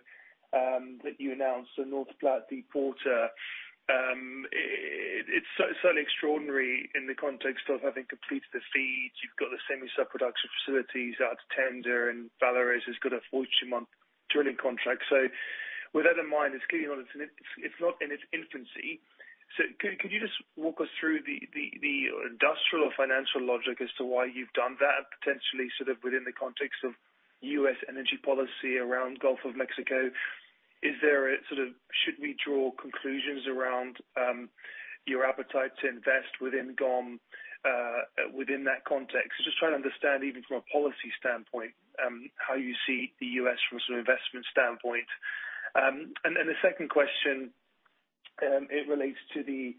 that you announced, the North Platte Deepwater. It's so certainly extraordinary in the context of having completed the FEED. You've got the semi-sub production facilities out to tender, and Valaris has got a 42-month drilling contract. With that in mind, it's clearly not in its infancy. Can you just walk us through the industrial or financial logic as to why you've done that potentially sort of within the context of U.S. energy policy around Gulf of Mexico? Should we draw conclusions around your appetite to invest within GOM within that context? Just trying to understand even from a policy standpoint how you see the U.S. from sort of investment standpoint. The second question relates to the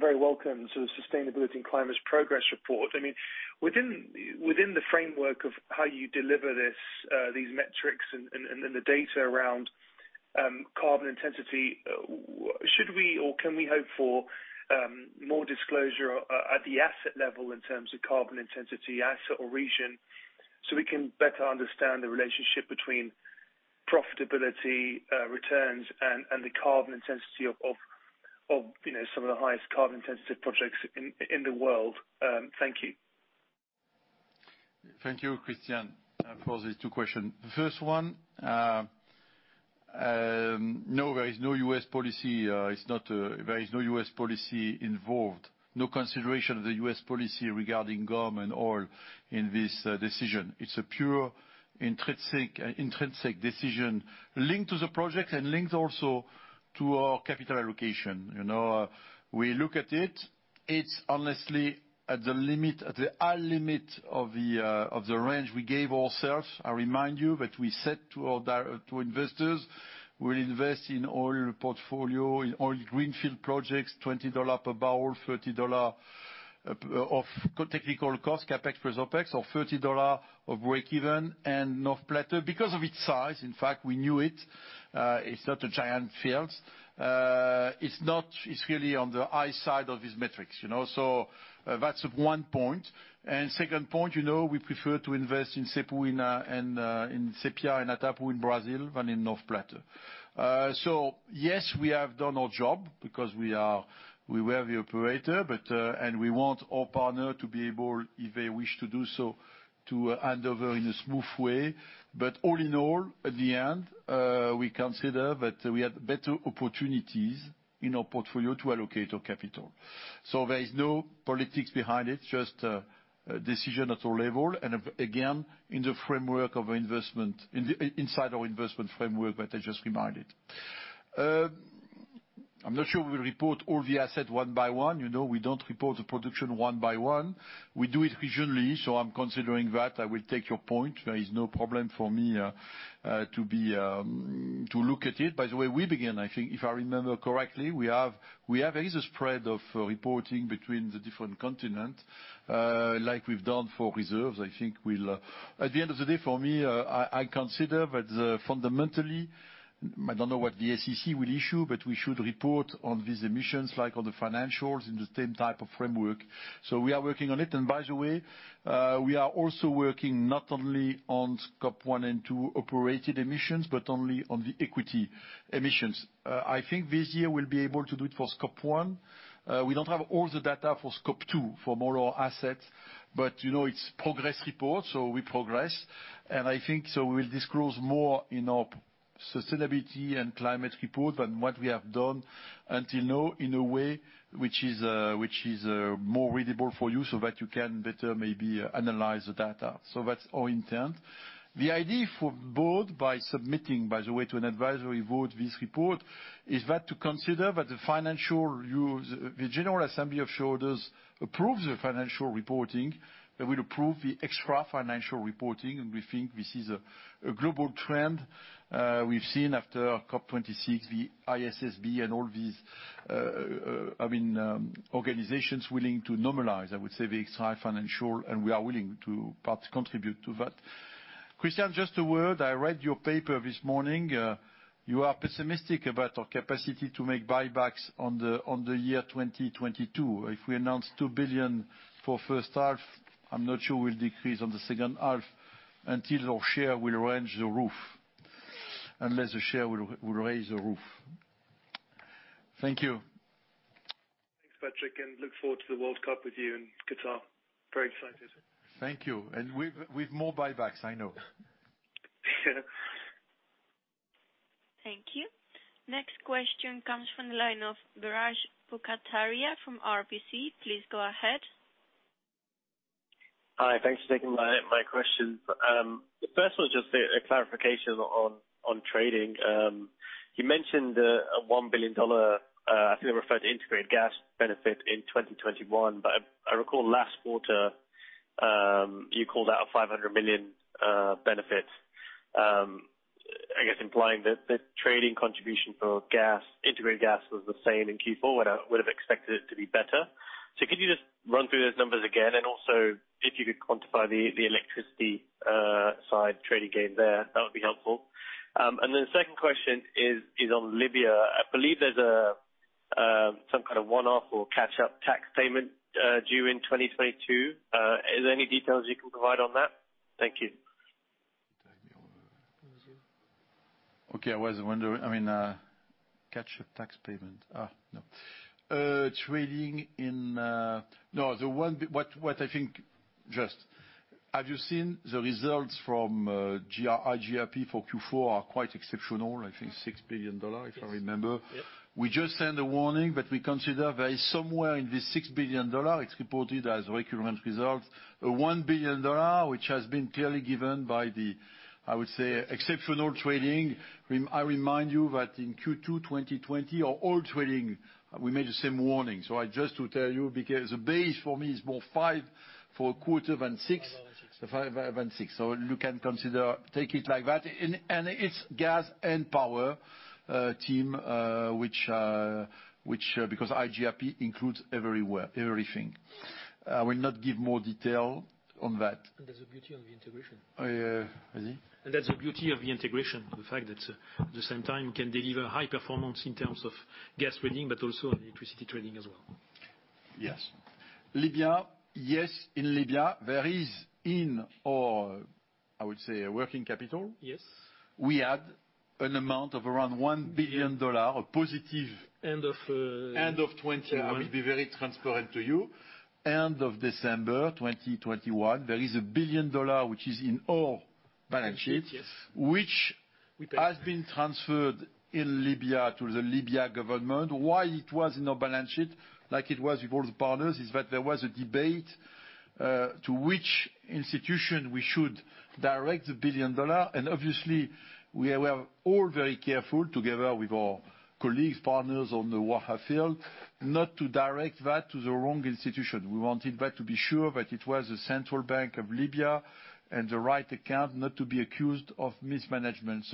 very welcome sort of sustainability and climate progress report. I mean, within the framework of how you deliver these metrics and the data around carbon intensity, should we or can we hope for more disclosure at the asset level in terms of carbon intensity, asset or region, so we can better understand the relationship between profitability returns and the carbon intensity of you know some of the highest carbon intensive projects in the world? Thank you. Thank you, Christyan, for the two questions. First one, no, there is no U.S. policy. It's not, there is no U.S. policy involved, no consideration of the U.S. policy regarding GOM and oil in this decision. It's a pure intrinsic decision linked to the project and linked also to our capital allocation. You know, we look at it's honestly at the limit, at the high limit of the range we gave ourselves. I remind you that we said to our to investors, we'll invest in oil portfolio, in oil greenfield projects, $20 per barrel, $30 of technical cost, CapEx plus OPEX, or $30 of break even. North Platte, because of its size, in fact, we knew it's not a giant field. It's not. It's really on the high side of these metrics, you know? That's one point. Second point, you know, we prefer to invest in Sépia and Atapu in Brazil than in North Platte. Yes, we have done our job because we were the operator, and we want our partner to be able, if they wish to do so, to hand over in a smooth way. All in all, at the end, we consider that we have better opportunities in our portfolio to allocate our capital. There is no politics behind it, just a decision at all level and again, in the framework of investment, inside our investment framework that I just reminded. I'm not sure we'll report all the asset one by one. You know, we don't report the production one by one. We do it regionally, so I'm considering that. I will take your point. There is no problem for me to look at it. By the way, we begin, I think if I remember correctly, we have a spread of reporting between the different continents, like we've done for reserves. I think we'll. At the end of the day, for me, I consider that fundamentally, I don't know what the SEC will issue, but we should report on these emissions like on the financials in the same type of framework. We are working on it. By the way, we are also working not only on Scope 1 and 2 operated emissions, but only on the equity emissions. I think this year we'll be able to do it for Scope 1. We don't have all the data for Scope 2 for more assets, but you know, it's progress report, so we progress. I think we'll disclose more in our Sustainability and Climate Report than what we have done until now in a way which is more readable for you so that you can better maybe analyze the data. That's our intent. The idea for the board by submitting, by the way, to an advisory vote this report is that to consider that the same general assembly of shareholders approves the financial reporting that will approve the extra-financial reporting. We think this is a global trend we've seen after COP26, the ISSB and all these organizations willing to normalize, I would say the extra financial and we are willing to part contribute to that. Christyan, just a word. I read your paper this morning. You are pessimistic about our capacity to make buybacks on the year 2022. If we announce 2 billion for first half, I'm not sure we'll decrease on the second half until our share will reach the roof. Unless the share will raise the roof. Thank you. Thanks, Patrick Pouyanné, and I look forward to the World Cup with you in Qatar. Very excited. Thank you. With more buybacks, I know. Thank you. Next question comes from the line of Biraj Borkhataria from RBC. Please go ahead. Hi. Thanks for taking my question. The first one is just a clarification on trading. You mentioned a $1 billion, I think you referred to integrated gas benefit in 2021, but I recall last quarter, you called out $500 million benefit, I guess implying that the trading contribution for gas, integrated gas was the same in Q4. Would have expected it to be better. Could you just run through those numbers again? And also, if you could quantify the electricity side trading gain there, that would be helpful. And then the second question is on Libya. I believe there's some kind of one-off or catch-up tax payment due in 2022. Is there any details you can provide on that? Thank you. Okay. I was wondering, I mean, what I think, have you seen the results from iGRP for Q4? They are quite exceptional. I think $6 billion, if I remember. Yes. Yep. We just sent a warning, but we consider it somewhere in this $6 billion. It's reported as recurring results, a $1 billion which has been clearly given by the, I would say, exceptional trading. I remind you that in Q2 2020 our oil trading, we made the same warning. I just to tell you, because the base for me is more $5 billion for a quarter than $6 billion. $5 billion and $6 billion. $5 billion and $6 billion. You can consider take it like that. It's gas and power team, which because iGRP includes everywhere, everything. I will not give more detail on that. That's the beauty of the integration. Oh, yeah. Pardon me? That's the beauty of the integration. The fact that at the same time, you can deliver high performance in terms of gas trading, but also on electricity trading as well. Yes. Libya. Yes, in Libya, there is in all, I would say, working capital. Yes. We add an amount of around $1 billion. End of. End of 2021. I will be very transparent to you. End of December 2021, there is $1 billion which is in all balance sheets. Balance sheets, yes. Which has been transferred in Libya to the Libyan government. Why it was in our balance sheet, like it was with all the partners, is that there was a debate to which institution we should direct the $1 billion. Obviously, we are all very careful together with our colleagues, partners on the Waha field, not to direct that to the wrong institution. We wanted that to be sure that it was a Central Bank of Libya and the right account not to be accused of mismanagement.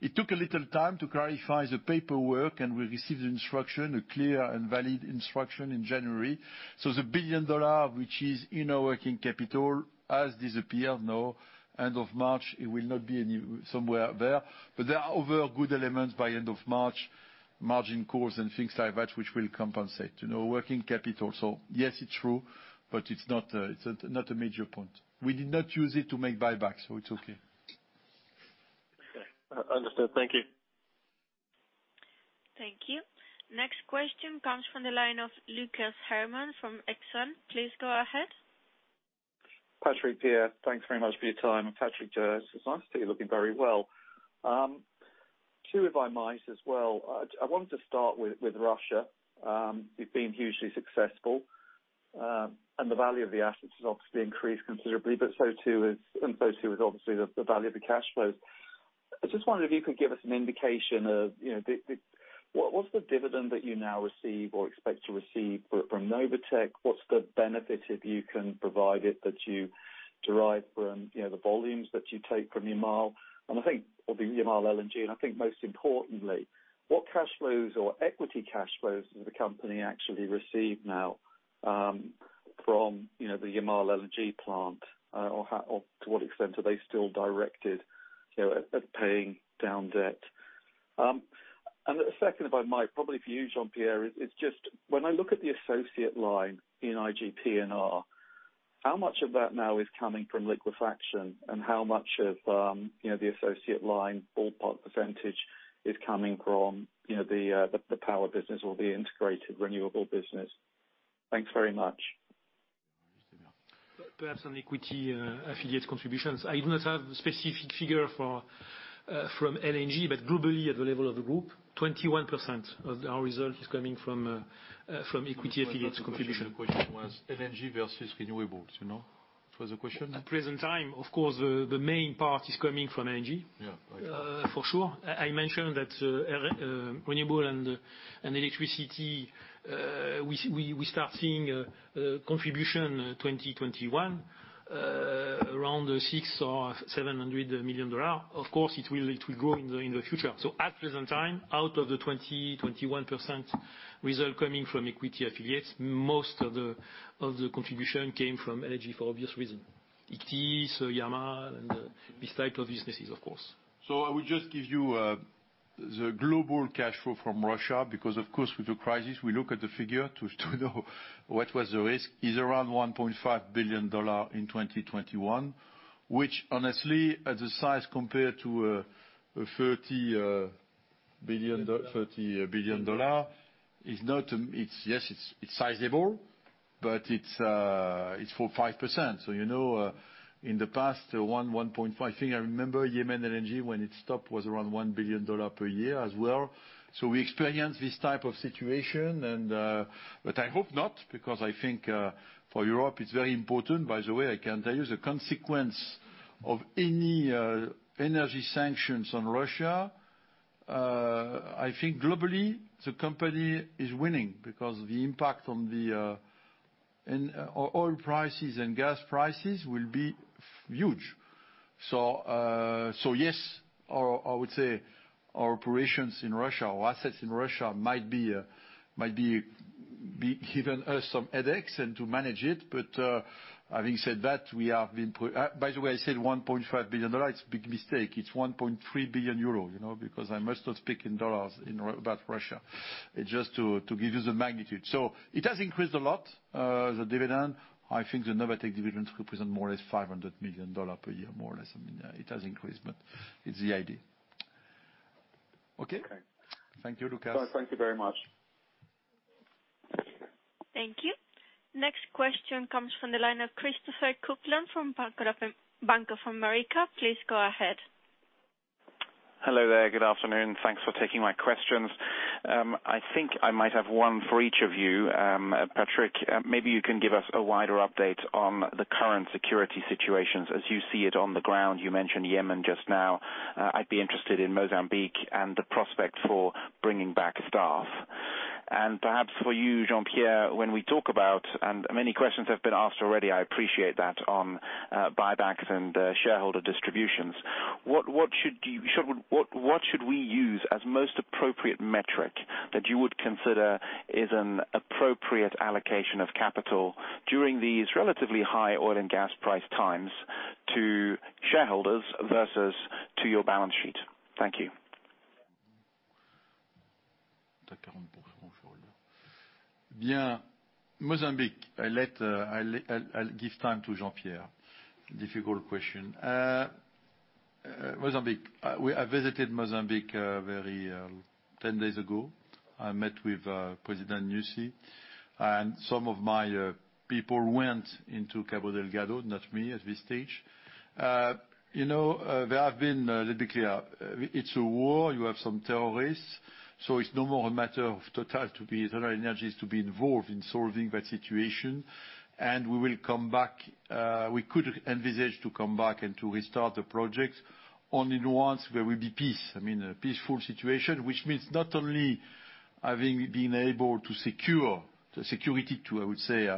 It took a little time to clarify the paperwork, and we received the instruction, a clear and valid instruction in January. The $1 billion, which is in our working capital, has disappeared now. End of March, it will not be anywhere there. there are other good elements by end of March, margin calls and things like that, which will compensate, you know, working capital. yes, it's true, but it's not a major point. We did not use it to make buybacks, so it's okay. Understood. Thank you. Thank you. Next question comes from the line of Lucas Herrmann from Exane. Please go ahead. Patrick Pouyanné, Jean-Pierre, thanks very much for your time. Patrick Pouyanné, it's nice to see you looking very well. Too, if I might as well. I want to start with Russia. You've been hugely successful, and the value of the assets has obviously increased considerably, but so too is obviously the value of the cash flows. I just wondered if you could give us an indication of, you know, what’s the dividend that you now receive or expect to receive from Novatek? What’s the benefit, if you can provide it, that you derive from, you know, the volumes that you take from Yamal? I think the Yamal LNG, and I think most importantly, what cash flows or equity cash flows does the company actually receive now, from, you know, the Yamal LNG plant? Or to what extent are they still directed, you know, at paying down debt? The second, if I might, probably for you, Jean-Pierre. It's just when I look at the associate line in iGRP, how much of that now is coming from liquefaction, and how much of the associate line ballpark percentage is coming from the power business or the integrated renewable business? Thanks very much. Perhaps on equity affiliate contributions. I do not have specific figure for, from LNG, but globally, at the level of the group, 21% of our result is coming from equity affiliates contribution. The question was LNG versus renewables, you know. It was the question. At present time, of course, the main part is coming from LNG. Yeah. For sure. I mentioned that renewable and electricity we start seeing contribution 2021 around $600 million-$700 million. Of course, it will grow in the future. At present time, out of the 21% result coming from equity affiliates, most of the contribution came from LNG for obvious reason. NLNG, Yamal, and this type of businesses, of course. I would just give you the global cash flow from Russia because of course with the crisis, we look at the figure to know what was the risk is around $1.5 billion in 2021, which honestly, at the size compared to a $30 billion is not it's sizable, but it's 5%. You know, in the past, $1.5. I think I remember Yemen LNG when it stopped was around $1 billion per year as well. We experienced this type of situation and but I hope not because I think for Europe, it's very important. By the way, I can tell you the consequence of any energy sanctions on Russia. I think globally, the company is winning because the impact on oil prices and gas prices will be huge. Yes, I would say our operations in Russia, our assets in Russia might be giving us some headaches and to manage it. But having said that, we have been put. By the way, I said $1.5 billion, it's big mistake. It's 1.3 billion euro, you know, because I must not speak in dollars about Russia. It just to give you the magnitude. It has increased a lot, the dividend. I think the Novatek dividends represent more or less $500 million per year, more or less. I mean, yeah, it has increased, but it's the idea. Okay? Okay. Thank you, Lucas. No, thank you very much. Thank you. Next question comes from the line of Christopher Kuplent from Bank of America. Please go ahead. Hello there. Good afternoon. Thanks for taking my questions. I think I might have one for each of you. Patrick, maybe you can give us a wider update on the current security situations as you see it on the ground. You mentioned Yemen just now. I'd be interested in Mozambique and the prospect for bringing back staff. Perhaps for you, Jean-Pierre, when we talk about, and many questions have been asked already, I appreciate that on buybacks and shareholder distributions. What should we use as most appropriate metric that you would consider is an appropriate allocation of capital during these relatively high oil and gas price times to shareholders versus to your balance sheet? Thank you. Mozambique. I'll give time to Jean-Pierre. Difficult question. Mozambique. I visited Mozambique 10 days ago. I met with President Nyusi, and some of my people went into Cabo Delgado, not me at this stage. You know. Let's be clear. It's a war. You have some terrorists. So it's no more a matter of TotalEnergies to be involved in solving that situation. We will come back. We could envisage to come back and to restart the projects only once there will be peace. I mean, a peaceful situation, which means not only having been able to secure the security to, I would say,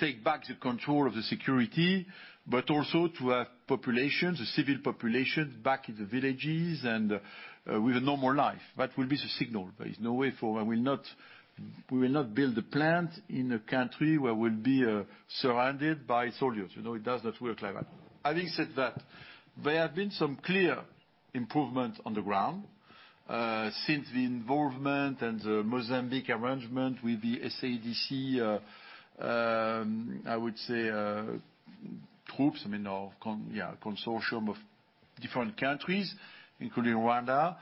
take back the control of the security, but also to have populations, the civil population back in the villages and, with a normal life. That will be the signal. There is no way forward. We will not build a plant in a country where we'll be, surrounded by soldiers. You know, it does not work like that. Having said that, there have been some clear improvements on the ground, since the involvement and the Mozambique arrangement with the SADC, I would say, troops, I mean, or consortium of different countries, including Rwanda.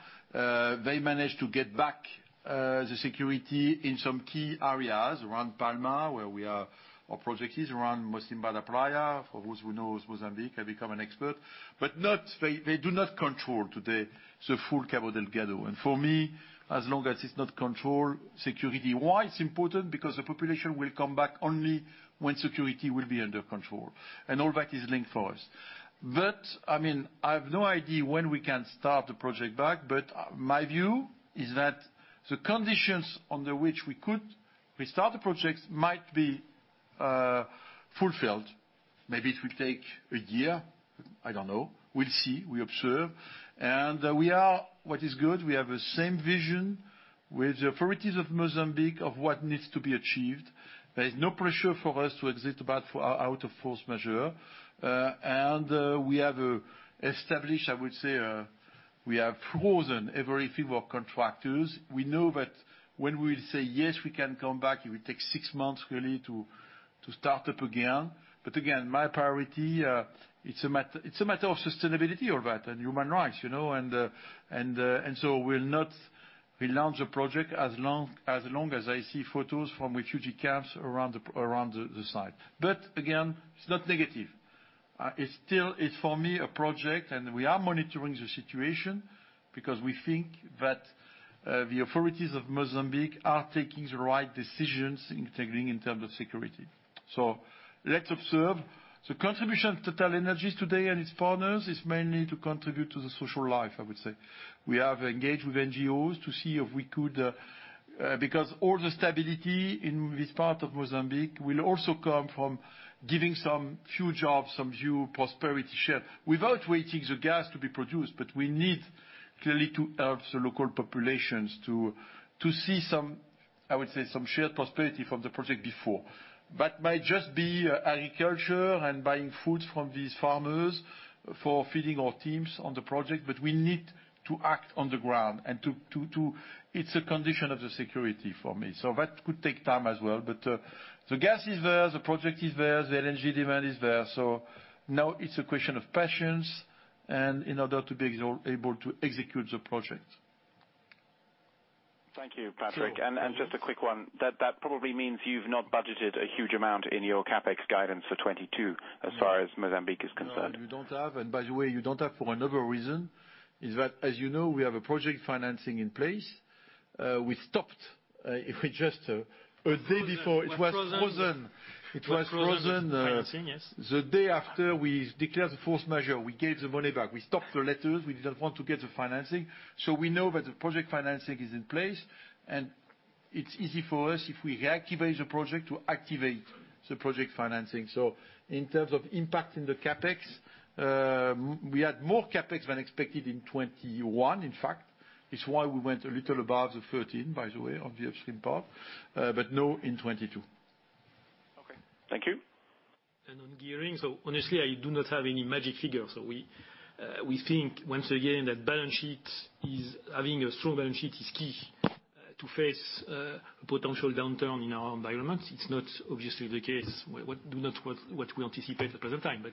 They managed to get back the security in some key areas around Palma, where we are, our project is around Mocimboa da Praia, for those who knows Mozambique, have become an expert. They do not control today the full Cabo Delgado. For me, as long as it's not controlled security, why it's important? Because the population will come back only when security will be under control, and all that is linked for us. I mean, I have no idea when we can start the project back, but my view is that the conditions under which we could restart the projects might be fulfilled. Maybe it will take a year. I don't know. We'll see, we observe. We are, what is good, we have the same vision with the authorities of Mozambique of what needs to be achieved. There is no pressure for us to exit, but we're out of force majeure. We have established, I would say, we have frozen every flow of contractors. We know that when we say, "Yes, we can come back," it will take six months really to start up again. My priority, it's a matter of sustainability, all that, and human rights, you know? We'll not relaunch the project as long as I see photos from refugee camps around the site. It's not negative. It still is for me a project, and we are monitoring the situation because we think that the authorities of Mozambique are taking the right decisions in terms of security. Let's observe. The contribution of TotalEnergies today and its partners is mainly to contribute to the social life, I would say. We have engaged with NGOs to see if we could, because all the stability in this part of Mozambique will also come from giving some few jobs, some shared prosperity without waiting the gas to be produced before. That might just be agriculture and buying foods from these farmers for feeding our teams on the project, but we need to act on the ground. It's a condition of the security for me. That could take time as well. The gas is there, the project is there, the energy demand is there. Now it's a question of patience and in order to be able to execute the project. Thank you, Patrick. Sure. Just a quick one. That probably means you've not budgeted a huge amount in your CapEx guidance for 2022. Yes As far as Mozambique is concerned. No, we don't have. By the way, you don't have for another reason, is that, as you know, we have a project financing in place. We stopped just a day before it was frozen. Was frozen. It was frozen. Financing, yes. The day after we declared the force majeure, we gave the money back. We stopped the letters. We didn't want to get the financing. We know that the project financing is in place, and it's easy for us, if we reactivate the project, to activate the project financing. In terms of impact in the CapEx, we had more CapEx than expected in 2021, in fact. It's why we went a little above the 13 billion, by the way, on the upstream part, but no, in 2022. Okay. Thank you. On gearing, honestly, I do not have any magic figures. We think once again that having a strong balance sheet is key to face a potential downturn in our environment. It's not obviously the case, not what we anticipate at the present time.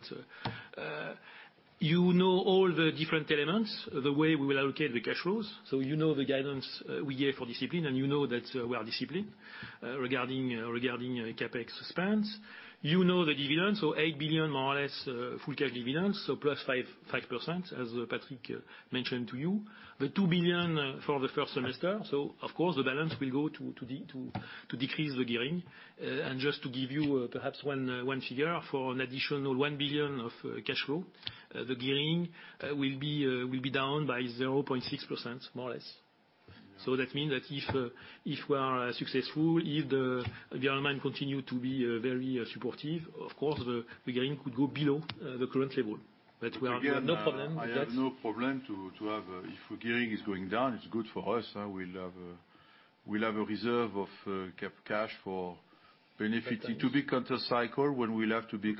You know all the different elements, the way we will allocate the cash flows. You know the guidance we gave for discipline, and you know that we are disciplined regarding CapEx spends. You know the dividends, eight billion more or less full cash dividends, plus 5%, as Patrick mentioned to you. The two billion for the first semester, of course the balance will go to decrease the gearing. Just to give you perhaps one figure, for an additional 1 billion of cash flow, the gearing will be down by 0.6%, more or less. That means that if we are successful, if the environment continue to be very supportive, of course the gearing could go below the current level. We have no problem with that. Again, I have no problem to have. If gearing is going down, it's good for us. We'll have a reserve of cash for benefiting to be countercyclical when we'll have to be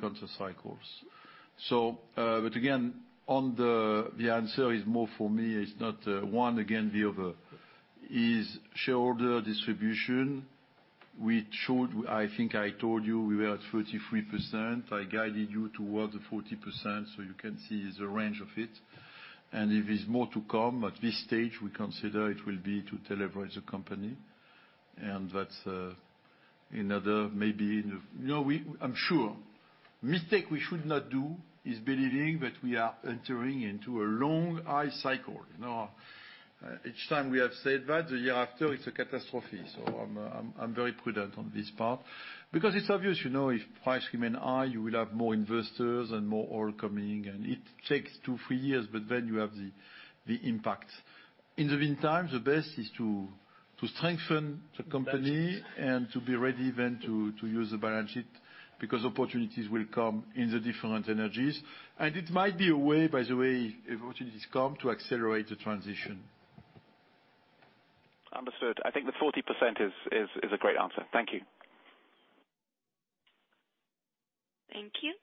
countercyclical. But again, on the answer is more for me, it's not one view, again, it is shareholder distribution, which should, I think I told you we were at 33%. I guided you towards the 40%, so you can see the range of it. And if it's more to come, at this stage, we consider it will be to leverage the company. And that's another mistake we should not do is believing that we are entering into a long high cycle. You know, each time we have said that, the year after, it's a catastrophe. I'm very prudent on this part because it's obvious, you know, if price remain high, you will have more investors and more oil coming, and it takes two, three years, but then you have the impact. In the meantime, the best is to strengthen the company. Balance sheet To be ready then to use the balance sheet because opportunities will come in the different energies. It might be a way, by the way, if opportunities come, to accelerate the transition. Understood. I think the 40% is a great answer. Thank you. Thank you.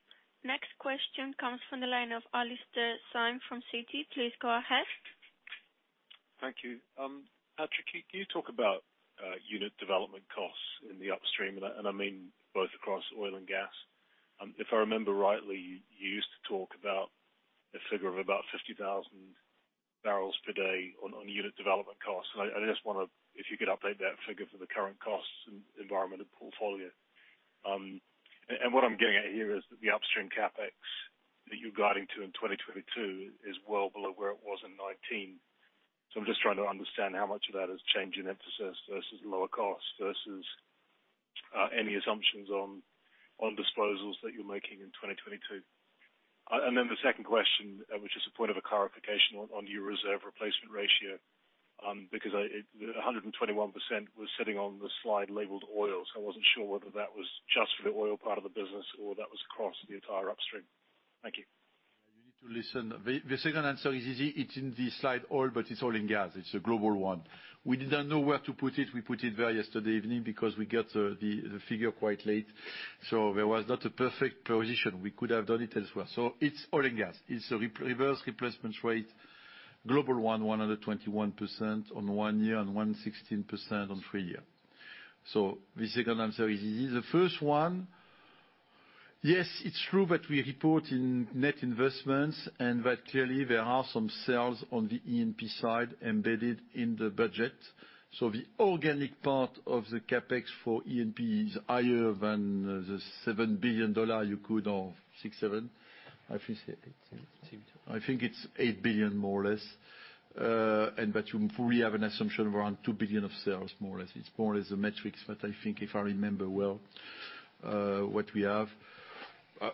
Next question comes from the line of Alastair Syme from Citi. Please go ahead. Thank you. Patrick, can you talk about unit development costs in the upstream? I mean both across oil and gas. If I remember rightly, you used to talk about a figure of about 50,000 barrels per day on unit development costs. I just want to. If you could update that figure for the current costs, environment, and portfolio. What I'm getting at here is that the upstream CapEx that you're guiding to in 2022 is well below where it was in 2019. I'm just trying to understand how much of that is change in emphasis versus lower cost versus any assumptions on disposals that you're making in 2022. The second question, which is a point of clarification on your reserve replacement ratio, because it, 121% was sitting on the slide labeled oil. I wasn't sure whether that was just for the oil part of the business or that was across the entire upstream. Thank you. You need to listen. The second answer is easy. It's in the slide on oil, but it's oil and gas. It's a global one. We didn't know where to put it. We put it there yesterday evening because we get the figure quite late. There was not a perfect position. We could have done it as well. It's oil and gas. It's a reserve replacement rate, global, 121% on one year and 116% on three year. The second answer is easy. The first one, yes, it's true that we report in net investments and that clearly there are some sales on the E&P side embedded in the budget. The organic part of the CapEx for E&P is higher than the $7 billion you could or $6 billion, $7 billion. I think it's $8 billion. It seemed to. I think it's $8 billion, more or less. You fully have an assumption around $2 billion of sales, more or less. It's more or less the metrics that I think, if I remember well, what we have.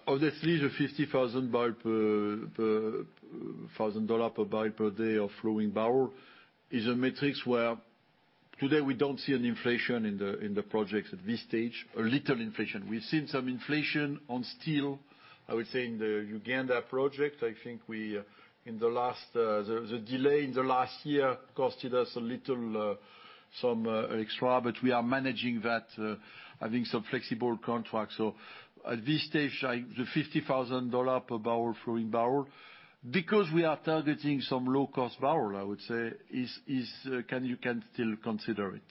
Obviously, the 50,000 barrel per thousand dollar per barrel per day of flowing barrel is a metric where today we don't see an inflation in the projects at this stage. A little inflation. We've seen some inflation on steel, I would say in the Uganda project. I think in the last year the delay cost us a little some extra, but we are managing that, having some flexible contracts. At this stage, the $50,000 per barrel flowing barrel, because we are targeting some low-cost barrel, I would say you can still consider it.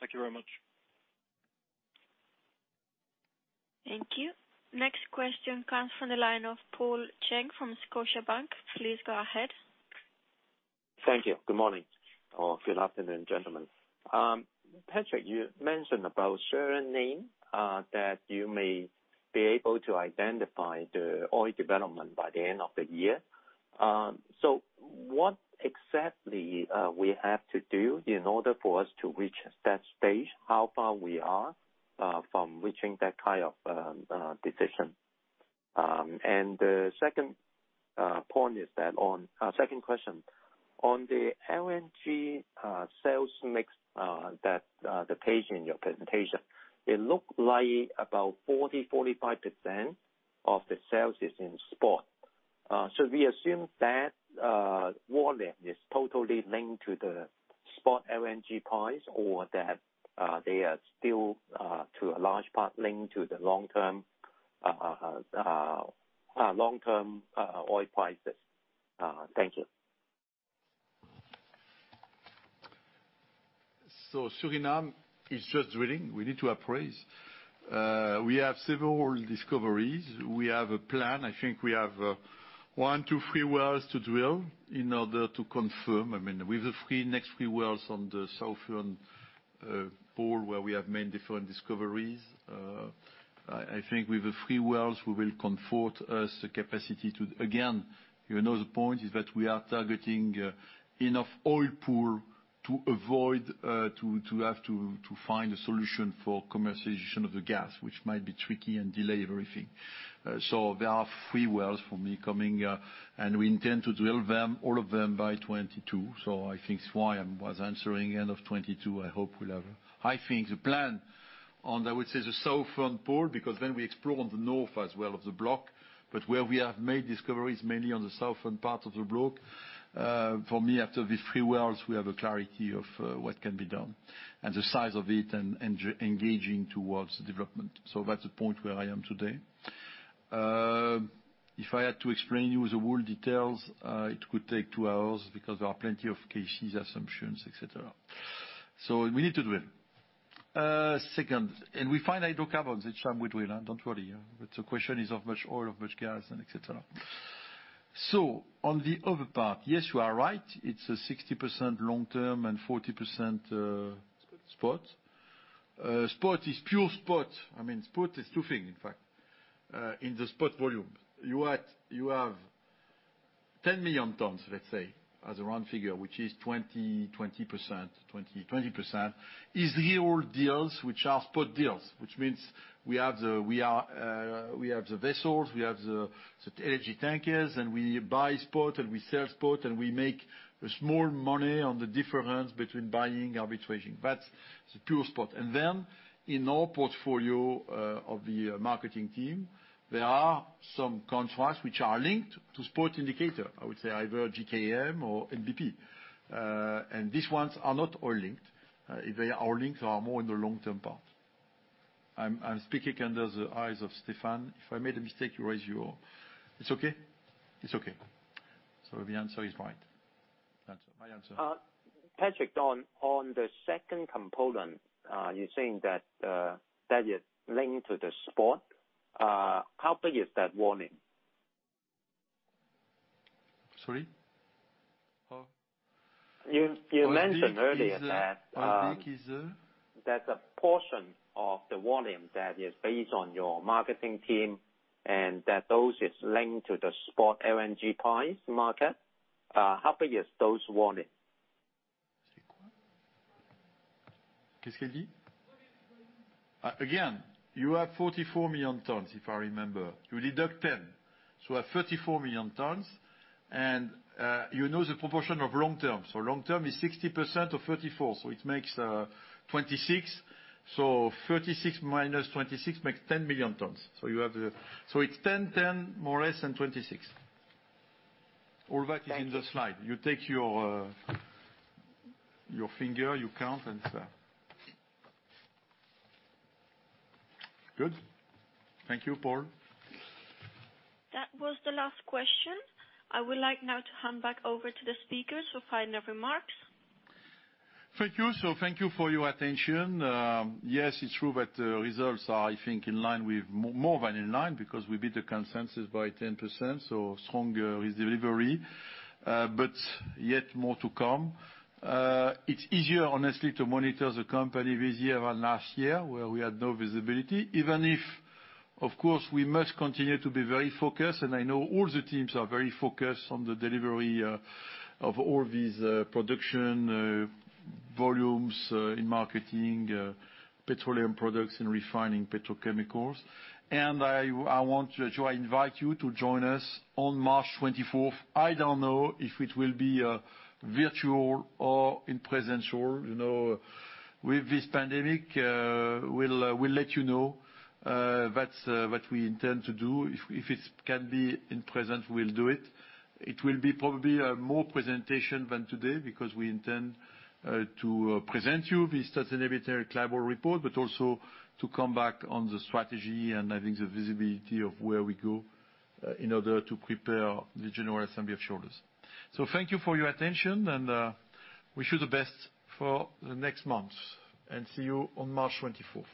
Thank you very much. Thank you. Next question comes from the line of Paul Cheng from Scotiabank. Please go ahead. Thank you. Good morning or good afternoon, gentlemen. Patrick, you mentioned about Suriname that you may be able to identify the oil development by the end of the year. What exactly we have to do in order for us to reach that stage? How far we are from reaching that kind of decision? The second question, on the LNG sales mix, that the page in your presentation, it looked like about 40%-45% of the sales is in spot. Should we assume that volume is totally linked to the spot LNG price or that they are still to a large part linked to the long-term oil prices? Thank you. Suriname is just drilling. We need to appraise. We have several discoveries. We have a plan. I think we have one to three wells to drill in order to confirm. I mean, with the next three wells on the southern block where we have made different discoveries. I think with the three wells, we will confirm to us the capacity to. Again, you know, the point is that we are targeting enough oil pool to avoid having to find a solution for commercialization of the gas, which might be tricky and delay everything. There are three wells for me coming, and we intend to drill them, all of them by 2022. I think that's why I was answering end of 2022, I hope we'll have. I think the plan on, I would say, the south end pole, because then we explore on the north as well of the block, but where we have made discoveries mainly on the southern part of the block, for me, after the three wells, we have a clarity of, what can be done and the size of it and engaging towards the development. That's the point where I am today. If I had to explain to you the whole details, it could take two hours because there are plenty of cases, assumptions, et cetera. We need to drill. Second, we find hydrocarbons each time we drill. Don't worry, but the question is how much oil, how much gas and et cetera. On the other part, yes, you are right. It's a 60% long-term and 40% spot. Spot is pure spot. I mean, spot is two things, in fact. In the spot volume, you have 10 million tons, let's say, as a round figure, which is 20%. 20% is real deals which are spot deals, which means we have the vessels, we have the LNG tankers, and we buy spot, and we sell spot, and we make a small money on the difference between buying, arbitraging. That's the pure spot. And then in our portfolio of the marketing team, there are some contracts which are linked to spot indicator. I would say either JKM or NBP. And these ones are not all linked. If they are all linked, are more in the long-term part. I'm speaking under the eyes of Stéphane. If I made a mistake, it's okay? It's okay. The answer is right. That's my answer. Patrick, on the second component, you're saying that that is linked to the spot. How big is that volume? Sorry. You mentioned earlier that. How big is the? That the portion of the volume that is based on your marketing team and that those is linked to the spot LNG price market, how big is those volume? Again, you have 44 million tons, if I remember. You deduct 10, so 34 million tons and you know the proportion of long-term. Long-term is 60% of 34, so it makes 26. 36 minus 26 makes 10 million tons. You have 10-10 more or less than 26. All that is in the slide. You take your finger, you count. Good. Thank you, Paul. That was the last question. I would like now to hand back over to the speakers for final remarks. Thank you. Thank you for your attention. Yes, it's true that results are, I think, more than in line because we beat the consensus by 10%, so stronger with delivery. Yet more to come. It's easier, honestly, to monitor the company this year than last year, where we had no visibility. Even if, of course, we must continue to be very focused, and I know all the teams are very focused on the delivery of all these production volumes in marketing petroleum products and refining petrochemicals. I invite you to join us on March 24. I don't know if it will be virtual or in-person. You know, with this pandemic, we'll let you know. That's what we intend to do. If it can be in person, we'll do it. It will be probably more presentation than today because we intend to present you the sustainability collaborative report, but also to come back on the strategy and I think the visibility of where we go in order to prepare the general assembly of shareholders. Thank you for your attention and wish you the best for the next month, and see you on March 24.